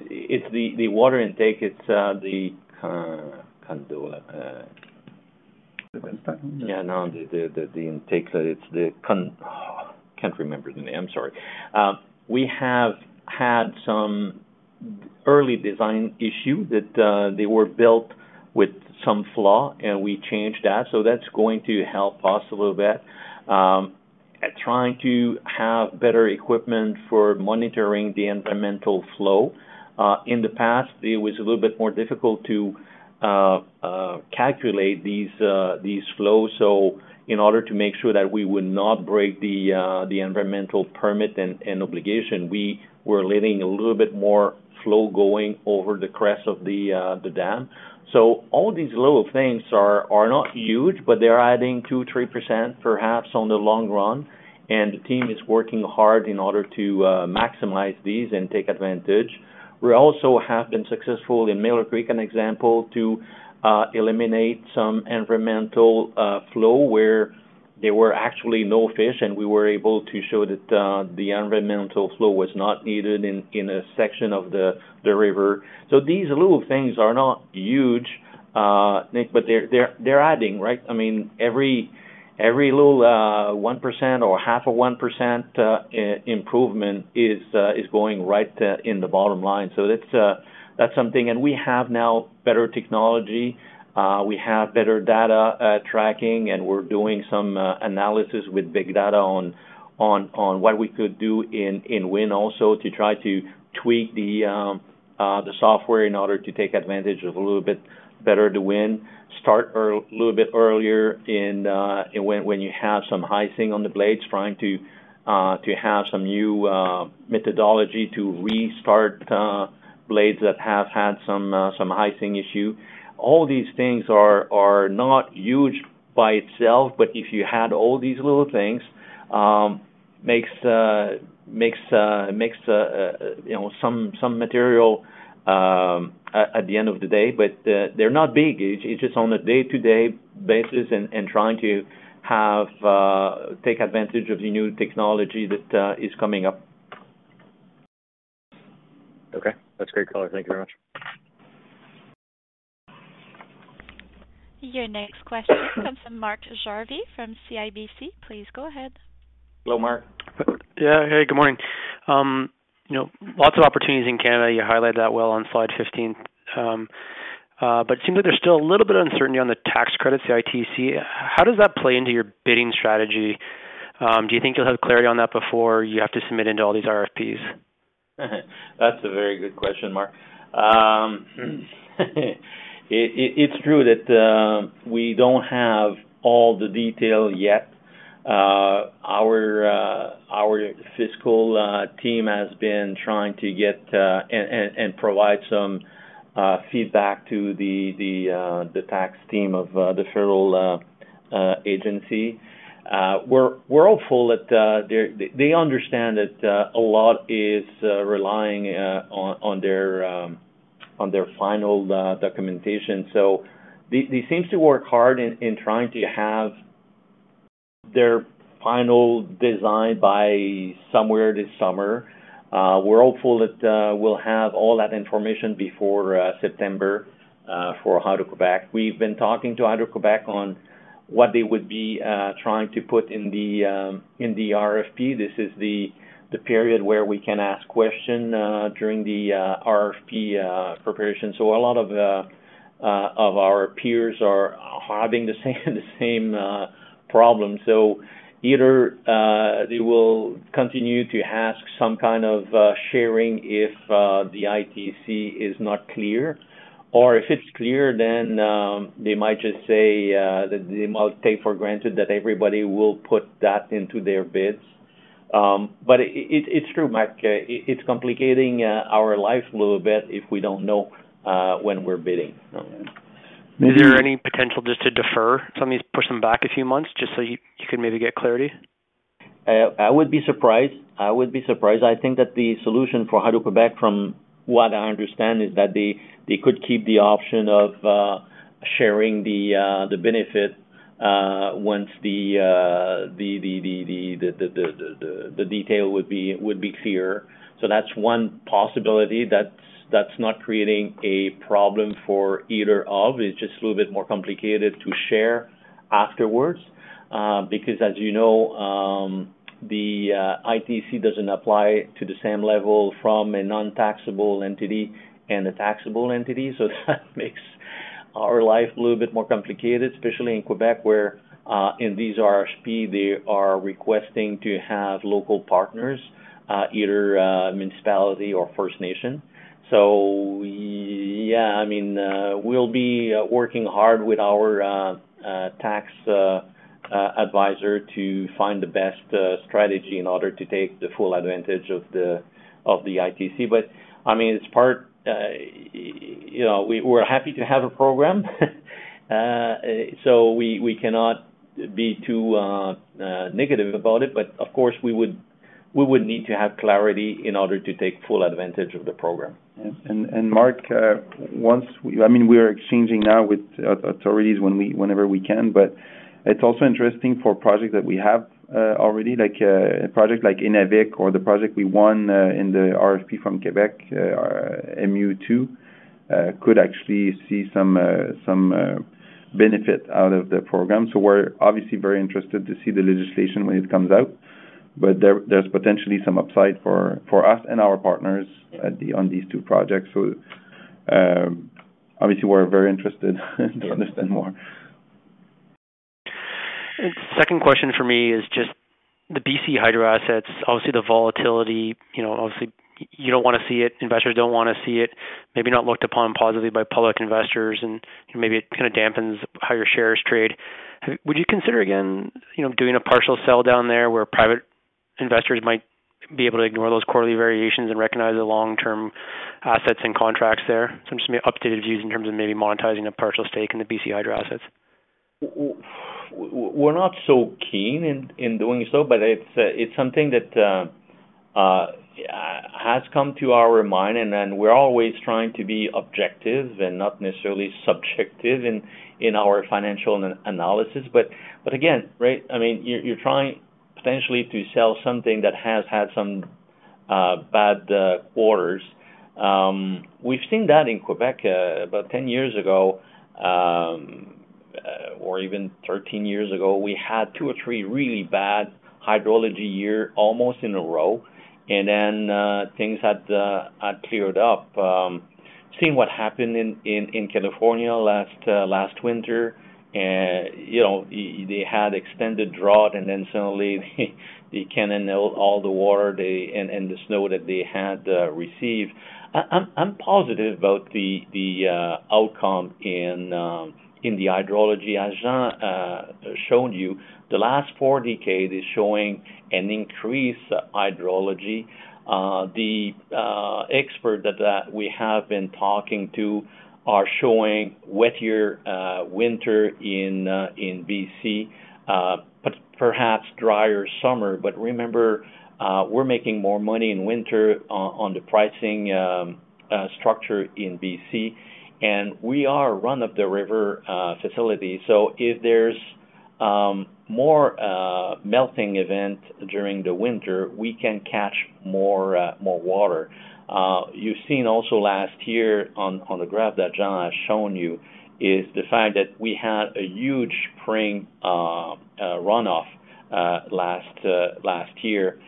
it's the water intake, it's the conduit. No. The intake. It's the. Can't remember the name. I'm sorry. We have had some early design issue that they were built with some flaw, and we changed that. That's going to help us a little bit at trying to have better equipment for monitoring the environmental flow. In the past, it was a little bit more difficult to calculate these flows. In order to make sure that we would not break the environmental permit and obligation, we were letting a little bit more flow going over the crest of the dam. All these little things are not huge, but they're adding 2, 3% perhaps on the long run, and the team is working hard in order to maximize these and take advantage. We also have been successful in Miller Creek, an example, to eliminate some environmental flow where there were actually no fish, and we were able to show that the environmental flow was not needed in a section of the river. These little things are not huge, Nick, but they're adding, right? I mean, every little 1% or half of 1% improvement is going right in the bottom line. That's something. We have now better technology. We have better data tracking, and we're doing some analysis with big data on what we could do in wind also to try to tweak the software in order to take advantage of a little bit better the wind. Start a little bit earlier in when you have some icing on the blades, trying to have some new methodology to restart blades that have had some icing issue. All these things are not huge by itself. If you had all these little things, makes some material at the end of the day. They're not big. It's just on a day-to-day basis and trying to have take advantage of the new technology that is coming up. Okay. That's great, Colin. Thank you very much. Your next question comes from Mark Jarvi from CIBC. Please go ahead. Hello, Mark. Hey, good morning., lots of opportunities in Canada. You highlight that well on slide 15. It seems like there's still a little bit of uncertainty on the tax credits, the ITC. How does that play into your bidding strategy? Do you think you'll have clarity on that before you have to submit into all these RFPs? That's a very good question, Mark. It's true that we don't have all the detail yet. Our fiscal team has been trying to get and provide some feedback to the tax team of the federal agency. We're hopeful that they understand that a lot is relying on their final documentation. They seem to work hard in trying to have their final design by somewhere this summer. We're hopeful that we'll have all that information before September for Hydro-Québec. We've been talking to Hydro-Québec on what they would be trying to put in the RFP. This is the period where we can ask question during the RFP preparation. A lot of our peers are having the same problem. Either they will continue to ask some kind of sharing if the ITC is not clear, or if it's clear, then they might just say that they must take for granted that everybody will put that into their bids. It's true, Marc. It's complicating our life a little bit if we don't know when we're bidding. Is there any potential just to defer some of these, push them back a few months just so you can maybe get clarity? I would be surprised. I would be surprised. I think that the solution for Hydro-Québec, from what I understand, is that they could keep the option of sharing the benefit once the detail would be clear. That's one possibility. That's not creating a problem for either of. It's just a little bit more complicated to share afterwards. Because as, the ITC doesn't apply to the same level from a non-taxable entity and a taxable entity, that makes our life a little bit more complicated, especially in Quebec, where in these RFP, they are requesting to have local partners, either a municipality or First Nation. I mean, we'll be working hard with our tax advisor to find the best strategy in order to take the full advantage of the ITC. I mean, it's part,, we're happy to have a program. We cannot be too negative about it. Of course, we would need to have clarity in order to take full advantage of the program. Mark, I mean, we are exchanging now with authorities whenever we can, but it's also interesting for projects that we have already, like, a project like Inuvik or the project we won in the RFP from Quebec, MU-2, could actually see some benefit out of the program. We're obviously very interested to see the legislation when it comes out. There, there's potentially some upside for us and our partners on these two projects. Obviously we're very interested to understand more. Second question for me is just the BC Hydro assets, obviously the volatility,, obviously you don't wanna see it, investors don't wanna see it, maybe not looked upon positively by public investors, and,, maybe it kind of dampens how your shares trade. Would you consider again,, doing a partial sell down there where private investors might be able to ignore those quarterly variations and recognize the long-term assets and contracts there? I'm just gonna be updated views in terms of maybe monetizing a partial stake in the BC Hydro assets. We're not so keen in doing so, but it's something that has come to our mind, then we're always trying to be objective and not necessarily subjective in our financial analysis. Again, right? I mean, you're trying potentially to sell something that has had some bad quarters. We've seen that in Quebec about 10 years ago, or even 13 years ago. We had 2 or 3 really bad hydrology year almost in a row, then things had cleared up. Seeing what happened in California last winter and,, they had extended drought then suddenly they can nail all the water they, and the snow that they had received. I'm positive about the outcome in the hydrology. As Jean shown you, the last four decade is showing an increased hydrology. The expert that we have been talking to are showing wet year winter in BC, but perhaps drier summer. Remember, we're making more money in winter on the pricing structure in BC, and we are run-of-the-river facility. If there's more melting event during the winter, we can catch more water. You've seen also last year on the graph that Jean has shown you, is the fact that we had a huge spring runoff last year.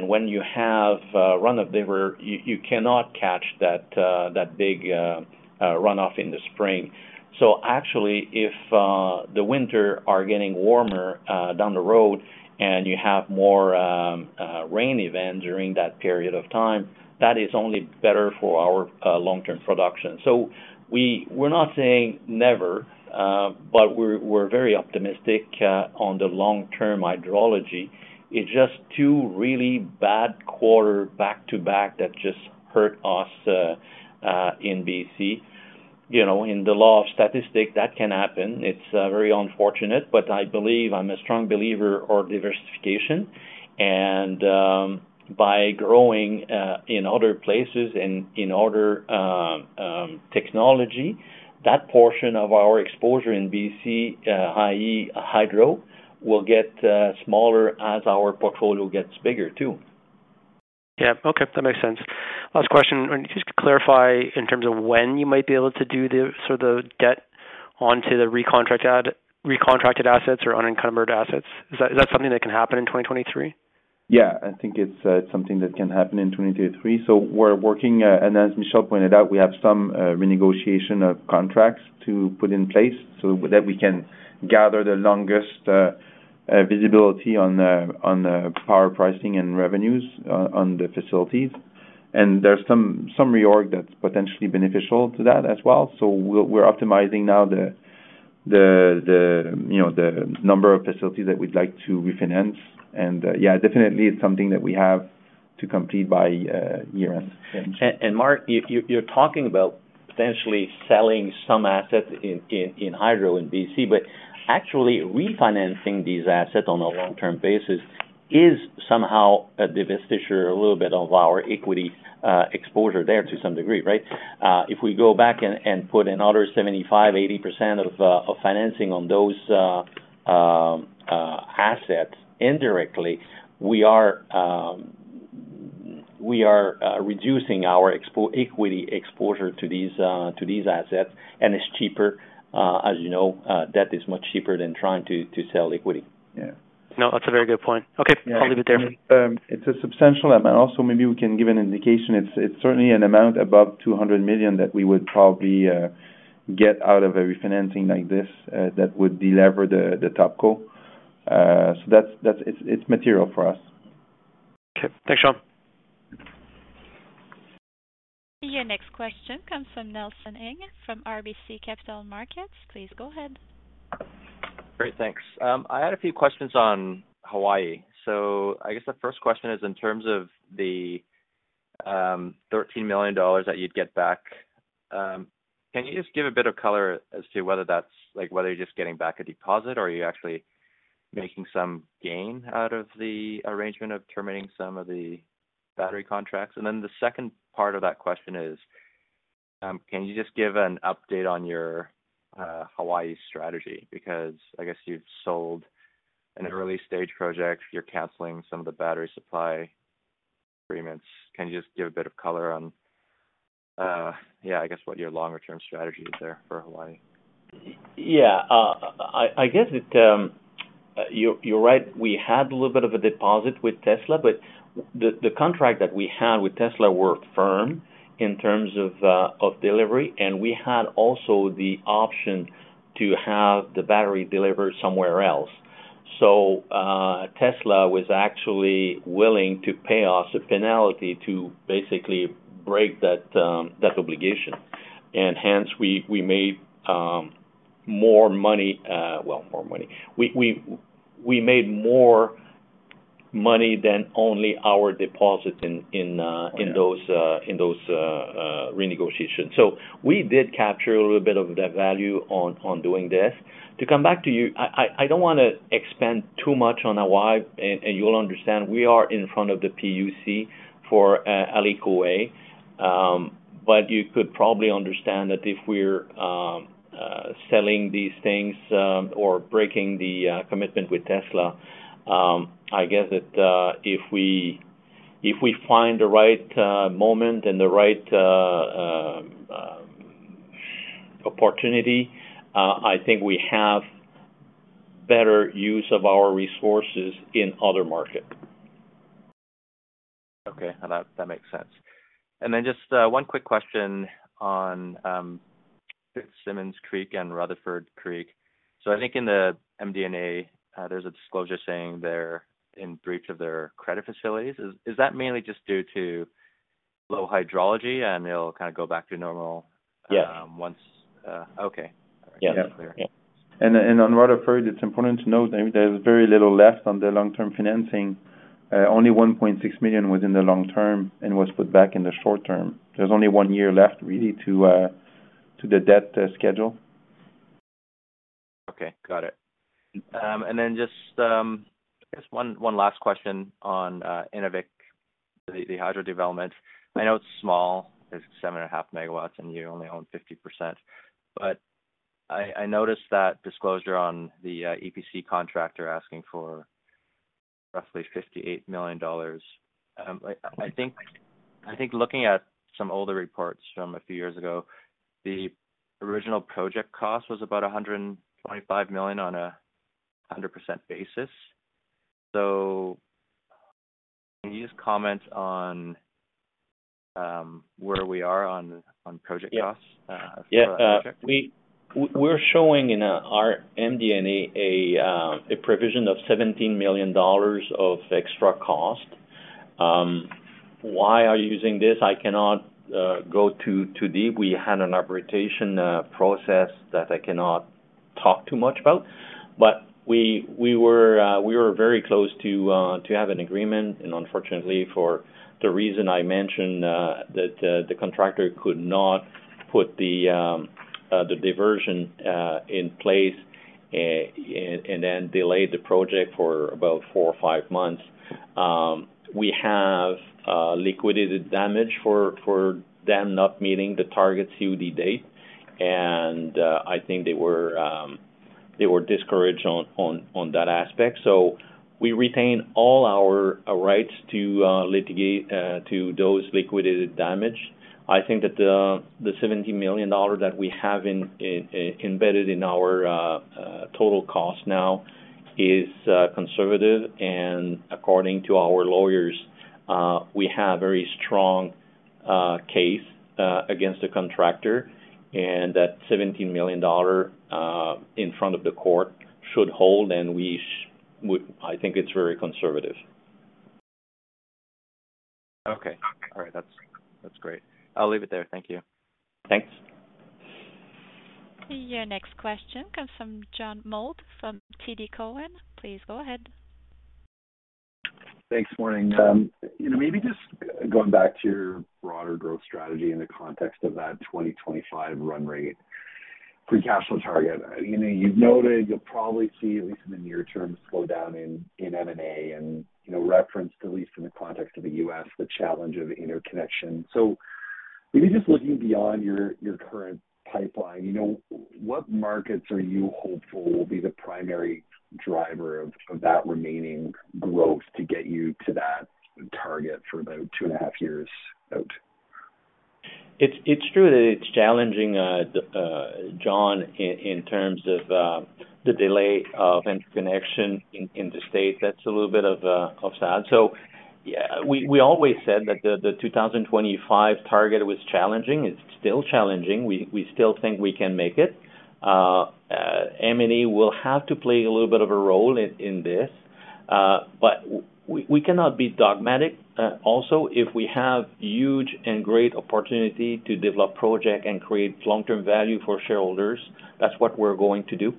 When you have a run-of-the-river, you cannot catch that big runoff in the spring. Actually, if the winter are getting warmer down the road and you have more rain event during that period of time, that is only better for our long-term production. We're not saying never, but we're very optimistic on the long-term hydrology. It's just two really bad quarter back-to-back that just hurt us in BC. in the law of statistics, that can happen. It's very unfortunate, but I believe I'm a strong believer of diversification. By growing in other places and in other technology, that portion of our exposure in BC, i.e. hydro, will get smaller as our portfolio gets bigger too. Okay. That makes sense. Last question. Can you just clarify in terms of when you might be able to do the sort of debt onto the recontracted assets or unencumbered assets? Is that something that can happen in 2023? I think it's something that can happen in 2023. We're working. As Michel pointed out, we have some renegotiation of contracts to put in place so that we can gather the longest visibility on the power pricing and revenues on the facilities. There's some reorg that's potentially beneficial to that as well. We're optimizing now the,, the number of facilities that we'd like to refinance. Yeah, definitely it's something that we have to complete by year-end. Yes. Marc, you're talking about potentially selling some assets in hydro in BC. Actually refinancing these assets on a long-term basis is somehow a divestiture, a little bit of our equity exposure there to some degree, right? If we go back and put another 75%-80% of financing on those assets indirectly, we are reducing our equity exposure to these assets, and it's cheaper. As, debt is much cheaper than trying to sell equity. That's a very good point. I'll leave it there. It's a substantial amount. Maybe we can give an indication. It's certainly an amount above 200 million that we would probably get out of a refinancing like this that would delever the topco. It's material for us. Okay. Thanks, Jean. Your next question comes from Nelson Ng from RBC Capital Markets. Please go ahead. Great. Thanks. I had a few questions on Hawaii. I guess the first question is in terms of the $13 million that you'd get back, can you just give a bit of color as to whether like, whether you're just getting back a deposit or are you actually making some gain out of the arrangement of terminating some of the battery contracts? The second part of that question is, can you just give an update on your Hawaii strategy? I guess you've sold an early-stage project, you're canceling some of the battery supply agreements. Can you just give a bit of color on, I guess what your longer-term strategy is there for Hawaii? I guess it. You're right. We had a little bit of a deposit with Tesla, the contract that we had with Tesla were firm in terms of delivery, we had also the option to have the battery delivered somewhere else. Tesla was actually willing to pay us a penalty to basically break that obligation. Hence, we made more money than only our deposits in those renegotiations. We did capture a little bit of that value on doing this. To come back to you, I don't wanna expand too much on Hawaii. You'll understand we are in front of the PUC for Aliko A. You could probably understand that if we're selling these things, or breaking the commitment with Tesla, I guess that if we, if we find the right moment and the right opportunity, I think we have better use of our resources in other market. Okay. That makes sense. Just one quick question on Simmons Creek and Rutherford Creek? I think in the MD&A, there's a disclosure saying they're in breach of their credit facilities. Is that mainly just due to low hydrology, and it'll kind of go back to normal-? once. Okay. That's clear. On Rutherford, it's important to note that there's very little left on the long-term financing. Only 1.6 million was in the long term and was put back in the short term. There's only one year left really to the debt schedule. Okay. Got it. Just, I guess one last question on Inuvik, the hydro development. I know it's small. It's 7.5 MW, and you only own 50%. I noticed that disclosure on the EPC contractor asking for roughly 58 million dollars. I think looking at some older reports from a few years ago, the original project cost was about 125 million on a 100% basis. Can you just comment on where we are on project costs? for that project? We're showing in our MD&A a provision of $17 million of extra cost. Why are you using this? I cannot go too deep. We had an arbitration process that I cannot talk too much about. We were very close to have an agreement unfortunately for the reason I mentioned that the contractor could not put the diversion in place, delayed the project for about 4 or 5 months. We have liquidated damage for them not meeting the target COD date. I think they were discouraged on that aspect. We retain all our rights to litigate to those liquidated damage. I think that the 70 million dollars that we have embedded in our total cost now is conservative and according to our lawyers, we have very strong case against the contractor and that 17 million dollar in front of the court should hold. I think it's very conservative. Okay. All right. That's great. I'll leave it there. Thank you. Thanks. Your next question comes from John Mould from TD Cowen. Please go ahead. Thanks. Morning. maybe just going back to your broader growth strategy in the context of that 2025 run rate Free Cash Flow target. you've noted you'll probably see at least in the near term, a slowdown in M&A and,, referenced at least in the context of the US, the challenge of interconnection. Maybe just looking beyond your current pipeline,, what markets are you hopeful will be the primary driver of that remaining growth to get you to that target for about 2.5 years out? It's true that it's challenging, John, in terms of the delay of interconnection in the state. That's a little bit of sad. Yeah, we always said that the 2025 target was challenging. It's still challenging. We still think we can make it. M&A will have to play a little bit of a role in this. We cannot be dogmatic. Also, if we have huge and great opportunity to develop project and create long-term value for shareholders, that's what we're going to do.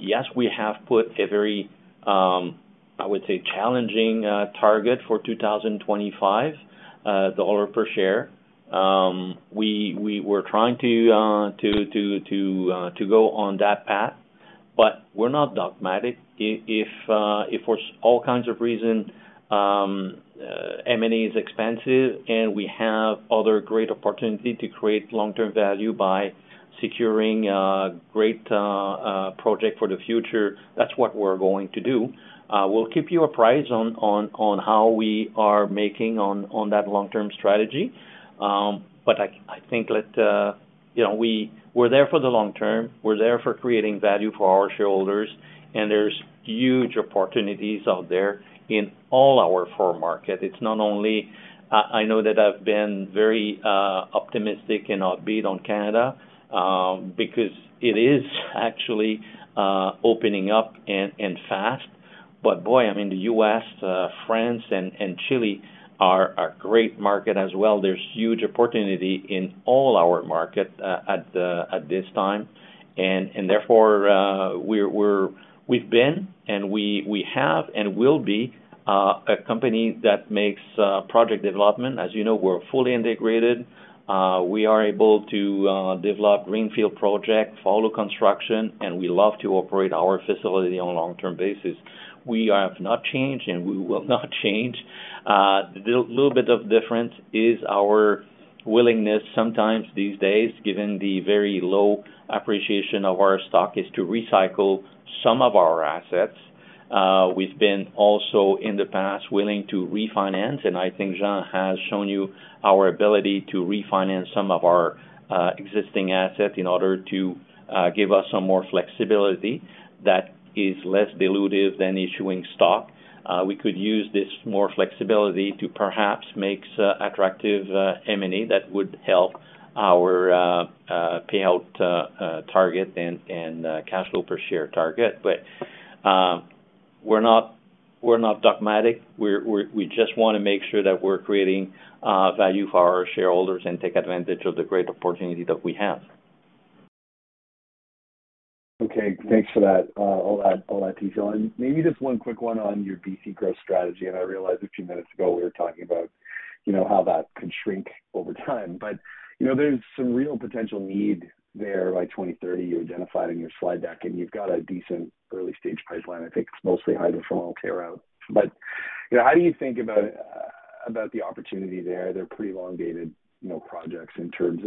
Yes, we have put a very, I would say, challenging target for 2025 dollar per share. We were trying to go on that path, but we're not dogmatic. If for all kinds of reason, M&A is expensive and we have other great opportunity to create long-term value by securing a great project for the future, that's what we're going to do. We'll keep you apprised on how we are making on that long-term strategy. I think that,, we're there for the long term. We're there for creating value for our shareholders, and there's huge opportunities out there in all our four market. It's not only. I know that I've been very optimistic and upbeat on Canada, because it is actually opening up and fast. Boy, I mean, the US, France and Chile are great market as well. There's huge opportunity in all our market at this time. Therefore, we've been and we have and will be a company that makes project development. As, we're fully integrated. We are able to develop greenfield project, follow construction, and we love to operate our facility on a long-term basis. We have not changed and we will not change. The little bit of difference is our willingness sometimes these days, given the very low appreciation of our stock, is to recycle some of our assets. We've been also in the past willing to refinance, and I think Jean has shown you our ability to refinance some of our existing assets in order to give us some more flexibility that is less dilutive than issuing stock. we could use this more flexibility to perhaps makes attractive, M&A that would help our, payout, target and, and, cash flow per share target. But, um, we're not, we're not dogmatic. We're, we're-- we just wanna make sure that we're creating, value for our shareholders and take advantage of the great opportunity that we have. Okay. Thanks for that, all that detail. Maybe just one quick one on your BC growth strategy. I realize a few minutes ago, we were talking about,, how that can shrink over time. there's some real potential need there by 2030 you identified in your slide deck, and you've got a decent early-stage pipeline. I think it's mostly Hydroformal care out. how do you think about the opportunity there? They're pretty elongated,, projects in terms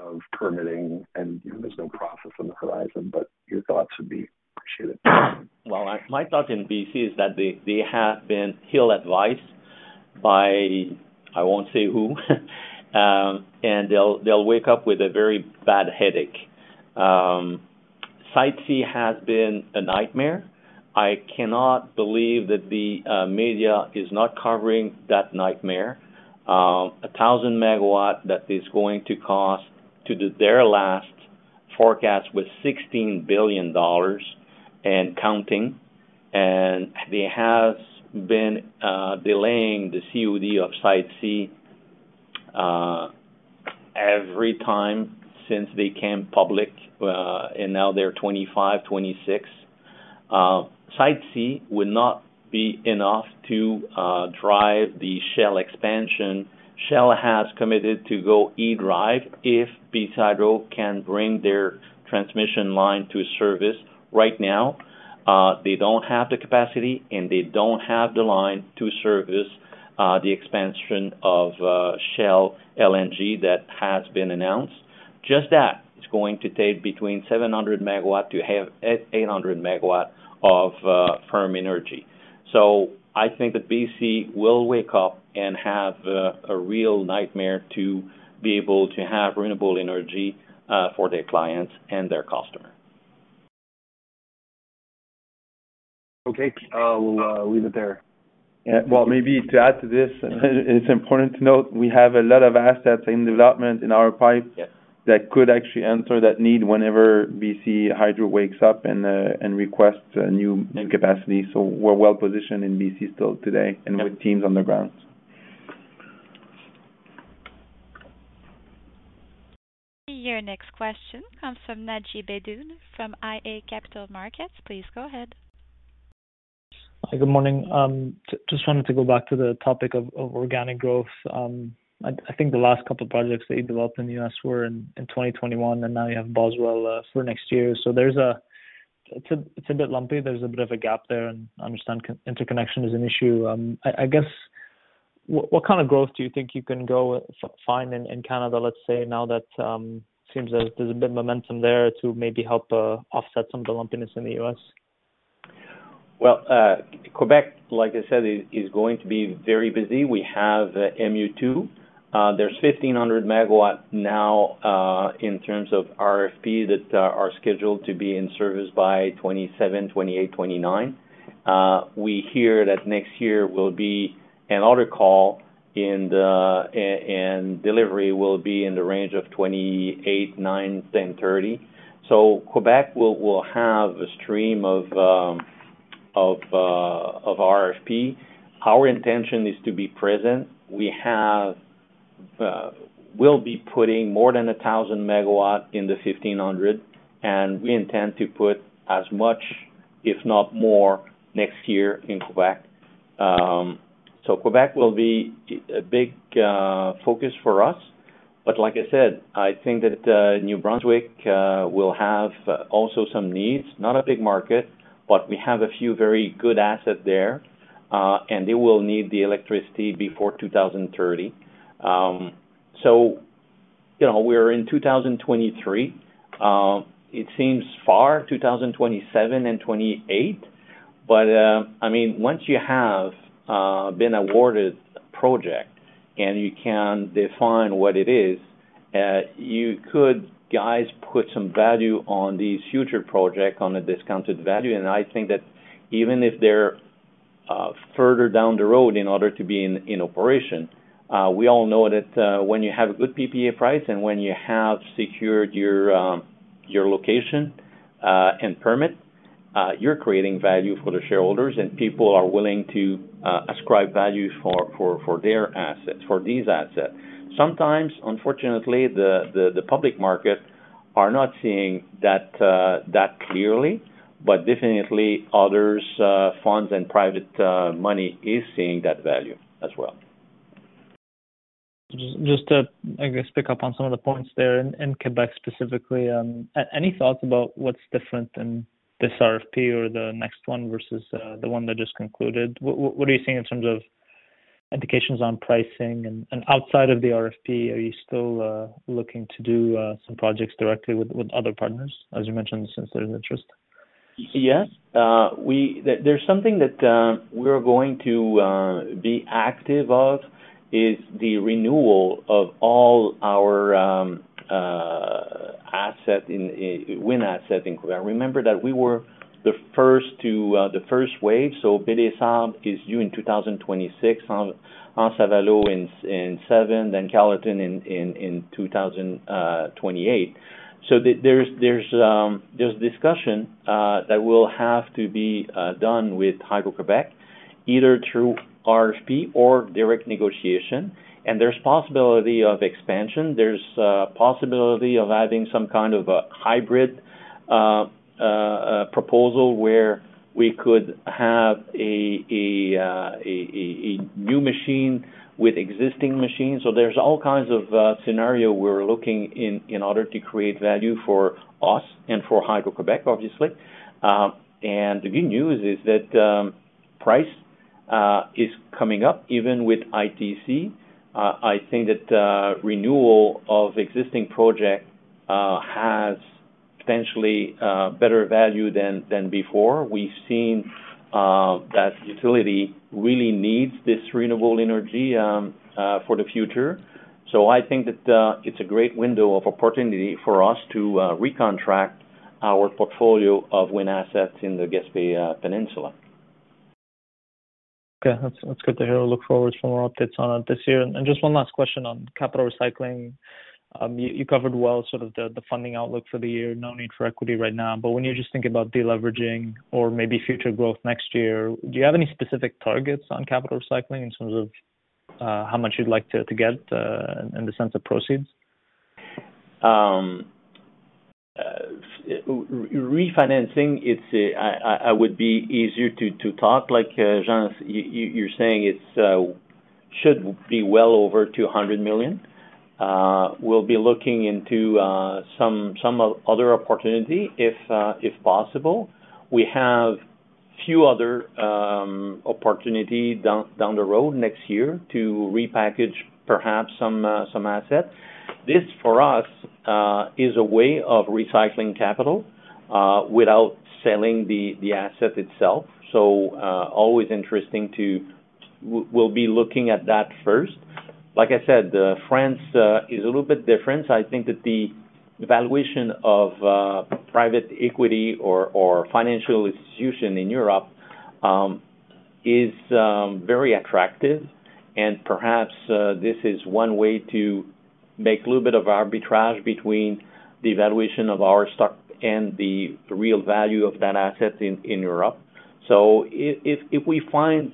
of permitting and,, there's no profits on the horizon, but your thoughts would be appreciated. My thought in BC is that they have been ill-advised by I won't say who, they'll wake up with a very bad headache. Site C has been a nightmare. I cannot believe that the media is not covering that nightmare. 1,000 MW that is going to cost to their last forecast was 16 billion dollars and counting. It has been delaying the COD of Site C every time since they came public, now they're 2025, 2026. Site C would not be enough to drive the Shell expansion. Shell has committed to go e-drive if BC Hydro can bring their transmission line to service. Right now, they don't have the capacity, they don't have the line to service the expansion of Shell LNG that has been announced. That is going to take between 700 Megawatt-800 Megawatt of firm energy. I think that BC will wake up and have a real nightmare to be able to have renewable energy for their clients and their customer. Okay. I'll leave it there. Well, maybe to add to this, it's important to note we have a lot of assets in development in our pipe-. Yes. that could actually answer that need whenever BC Hydro wakes up and requests a new capacity. We're well-positioned in BC still today, and with teams on the ground. Your next question comes from Naji Baydoun from iA Capital Markets. Please go ahead. Hi, good morning. Just wanted to go back to the topic of organic growth. I think the last couple projects that you developed in the U.S. were in 2021, and now you have Boswell for next year. It's a bit lumpy. There's a bit of a gap there, and I understand interconnection is an issue. I guess what kind of growth do you think you can find in Canada, let's say now that seems there's a bit of momentum there to maybe help offset some of the lumpiness in the U.S.? Well, Quebec, like I said, is going to be very busy. We have MU-2. There's 1,500 Megawatt now in terms of RFP that are scheduled to be in service by 2027, 2028, 2029. We hear that next year will be an order call and delivery will be in the range of 2028, 2029, 2030. Quebec will have a stream of RFP. Our intention is to be present. We'll be putting more than 1,000 Megawatt in the 1,500, and we intend to put as much, if not more, next year in Quebec. Quebec will be a big focus for us. Like I said, I think that New Brunswick will have also some needs, not a big market, but we have a few very good assets there, and they will need the electricity before 2030. we're in 2023, it seems far, 2027 and 28, but, I mean, once you have been awarded a project and you can define what it is, you could, guys, put some value on these future projects on the discounted value. I think that even if they're further down the road in order to be in operation, we all know that when you have a good PPA price and when you have secured your location, and permit, you're creating value for the shareholders, and people are willing to ascribe value for their assets, for these assets. Sometimes, unfortunately, the public market are not seeing that clearly, but definitely others, funds and private money is seeing that value as well. Just to, I guess, pick up on some of the points there in Quebec specifically, any thoughts about what's different in this RFP or the next one versus, the one that just concluded? What are you seeing in terms of indications on pricing? Outside of the RFP, are you still looking to do some projects directly with other partners, as you mentioned, since there's interest? Yes. There's something that we're going to be active of is the renewal of all our wind asset in Quebec. Remember that we were the first to the first wave, so Belésard is due in 2026, L'Anse-à-Valleau in 2027, then Carleton in 2028. There's discussion that will have to be done with Hydro-Québec, either through RFP or direct negotiation. There's possibility of expansion. There's possibility of adding some kind of a hybrid proposal where we could have a new machine with existing machines. There's all kinds of scenario we're looking in order to create value for us and for Hydro-Québec, obviously. The good news is that price is coming up even with ITC. I think that renewal of existing project has potentially better value than before. We've seen that utility really needs this renewable energy for the future. I think that it's a great window of opportunity for us to recontract our portfolio of wind assets in the Gaspé Peninsula. Okay. That's good to hear. Look forward for more updates on it this year. Just 1 last question on capital recycling. You covered well sort of the funding outlook for the year, no need for equity right now. When you just think about deleveraging or maybe future growth next year, do you have any specific targets on capital cycling in terms of how much you'd like to get in the sense of proceeds? Refinancing, it's, I would be easier to talk like Jean. You're saying it's should be well over 200 million. We'll be looking into some other opportunity if possible. We have few other opportunity down the road next year to repackage perhaps some assets. This, for us, is a way of recycling capital without selling the asset itself. We'll be looking at that first. Like I said, France is a little bit different. I think that the valuation of private equity or financial institution in Europe is very attractive. Perhaps, this is one way to make a little bit of arbitrage between the valuation of our stock and the real value of that asset in Europe. If we find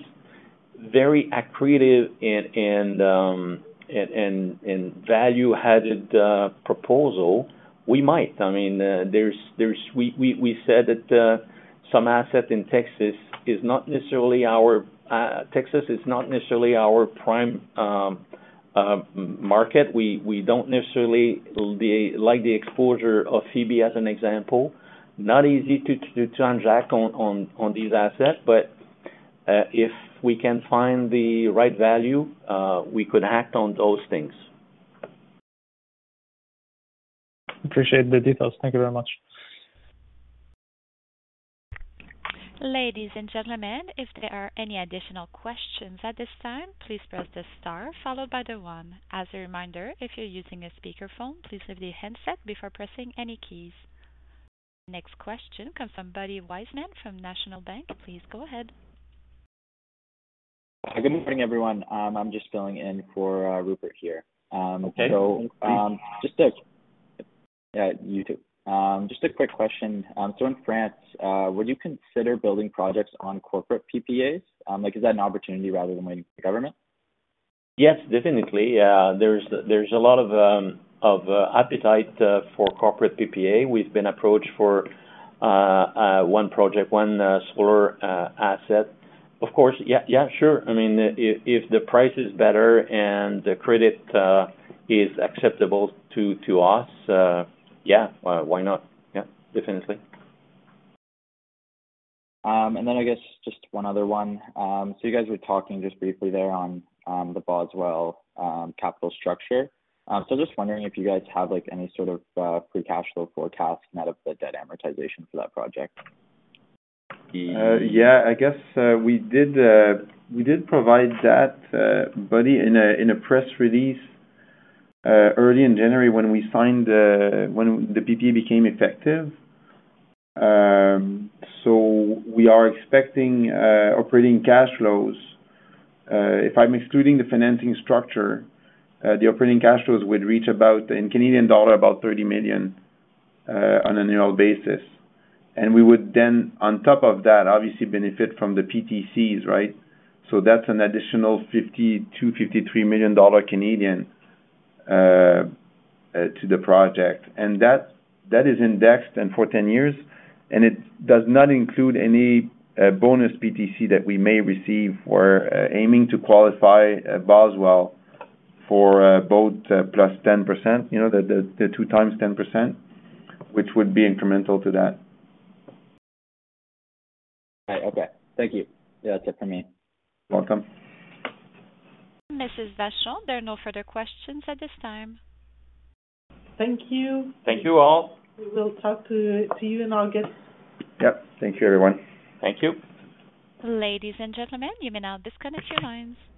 very accretive and, and value-added proposal, we might. I mean, there's we said that some assets in Texas is not necessarily our Texas is not necessarily our prime market. We don't necessarily like the exposure of CB as an example. Not easy to transact on these assets, but if we can find the right value, we could act on those things. Appreciate the details. Thank you very much. Ladies and gentlemen, if there are any additional questions at this time, please press the star followed by the 1. As a reminder, if you're using a speakerphone, please lift the handset before pressing any keys. Next question comes from Buddy Wiseman from National Bank. Please go ahead. Good morning, everyone. I'm just filling in for Rupert here. Okay. You too. Just a quick question. In France, would you consider building projects on corporate PPAs? Like, is that an opportunity rather than waiting for government? Yes, definitely. There's a lot of appetite for corporate PPA. We've been approached for one project, one solar asset. Of course. Yeah, yeah, sure. I mean, if the price is better and the credit is acceptable to us, yeah, why not? Definitely. I guess just one other one. You guys were talking just briefly there on the Boswell capital structure. Just wondering if you guys have, like, any sort of pre-cash flow forecast net of the debt amortization for that project? The- I guess, we did provide that, Buddy in a press release early in January when the PP became effective. We are expecting operating cash flows. If I'm excluding the financing structure, the operating cash flows would reach about, in Canadian dollar, about 30 million on an annual basis. We would then, on top of that, obviously benefit from the PTCs, right? That's an additional 52 million-53 million dollar Canadian to the project. That is indexed and for 10 years, and it does not include any bonus PTC that we may receive. We're aiming to qualify Boswell for both +10%,, the 2 times 10%, which would be incremental to that. Okay. Thank you. that's it from me. Welcome. Mrs. Vachon, there are no further questions at this time. Thank you. Thank you all. We will talk to you in August. Yep. Thank you, everyone. Thank you. Ladies and gentlemen, you may now disconnect your lines.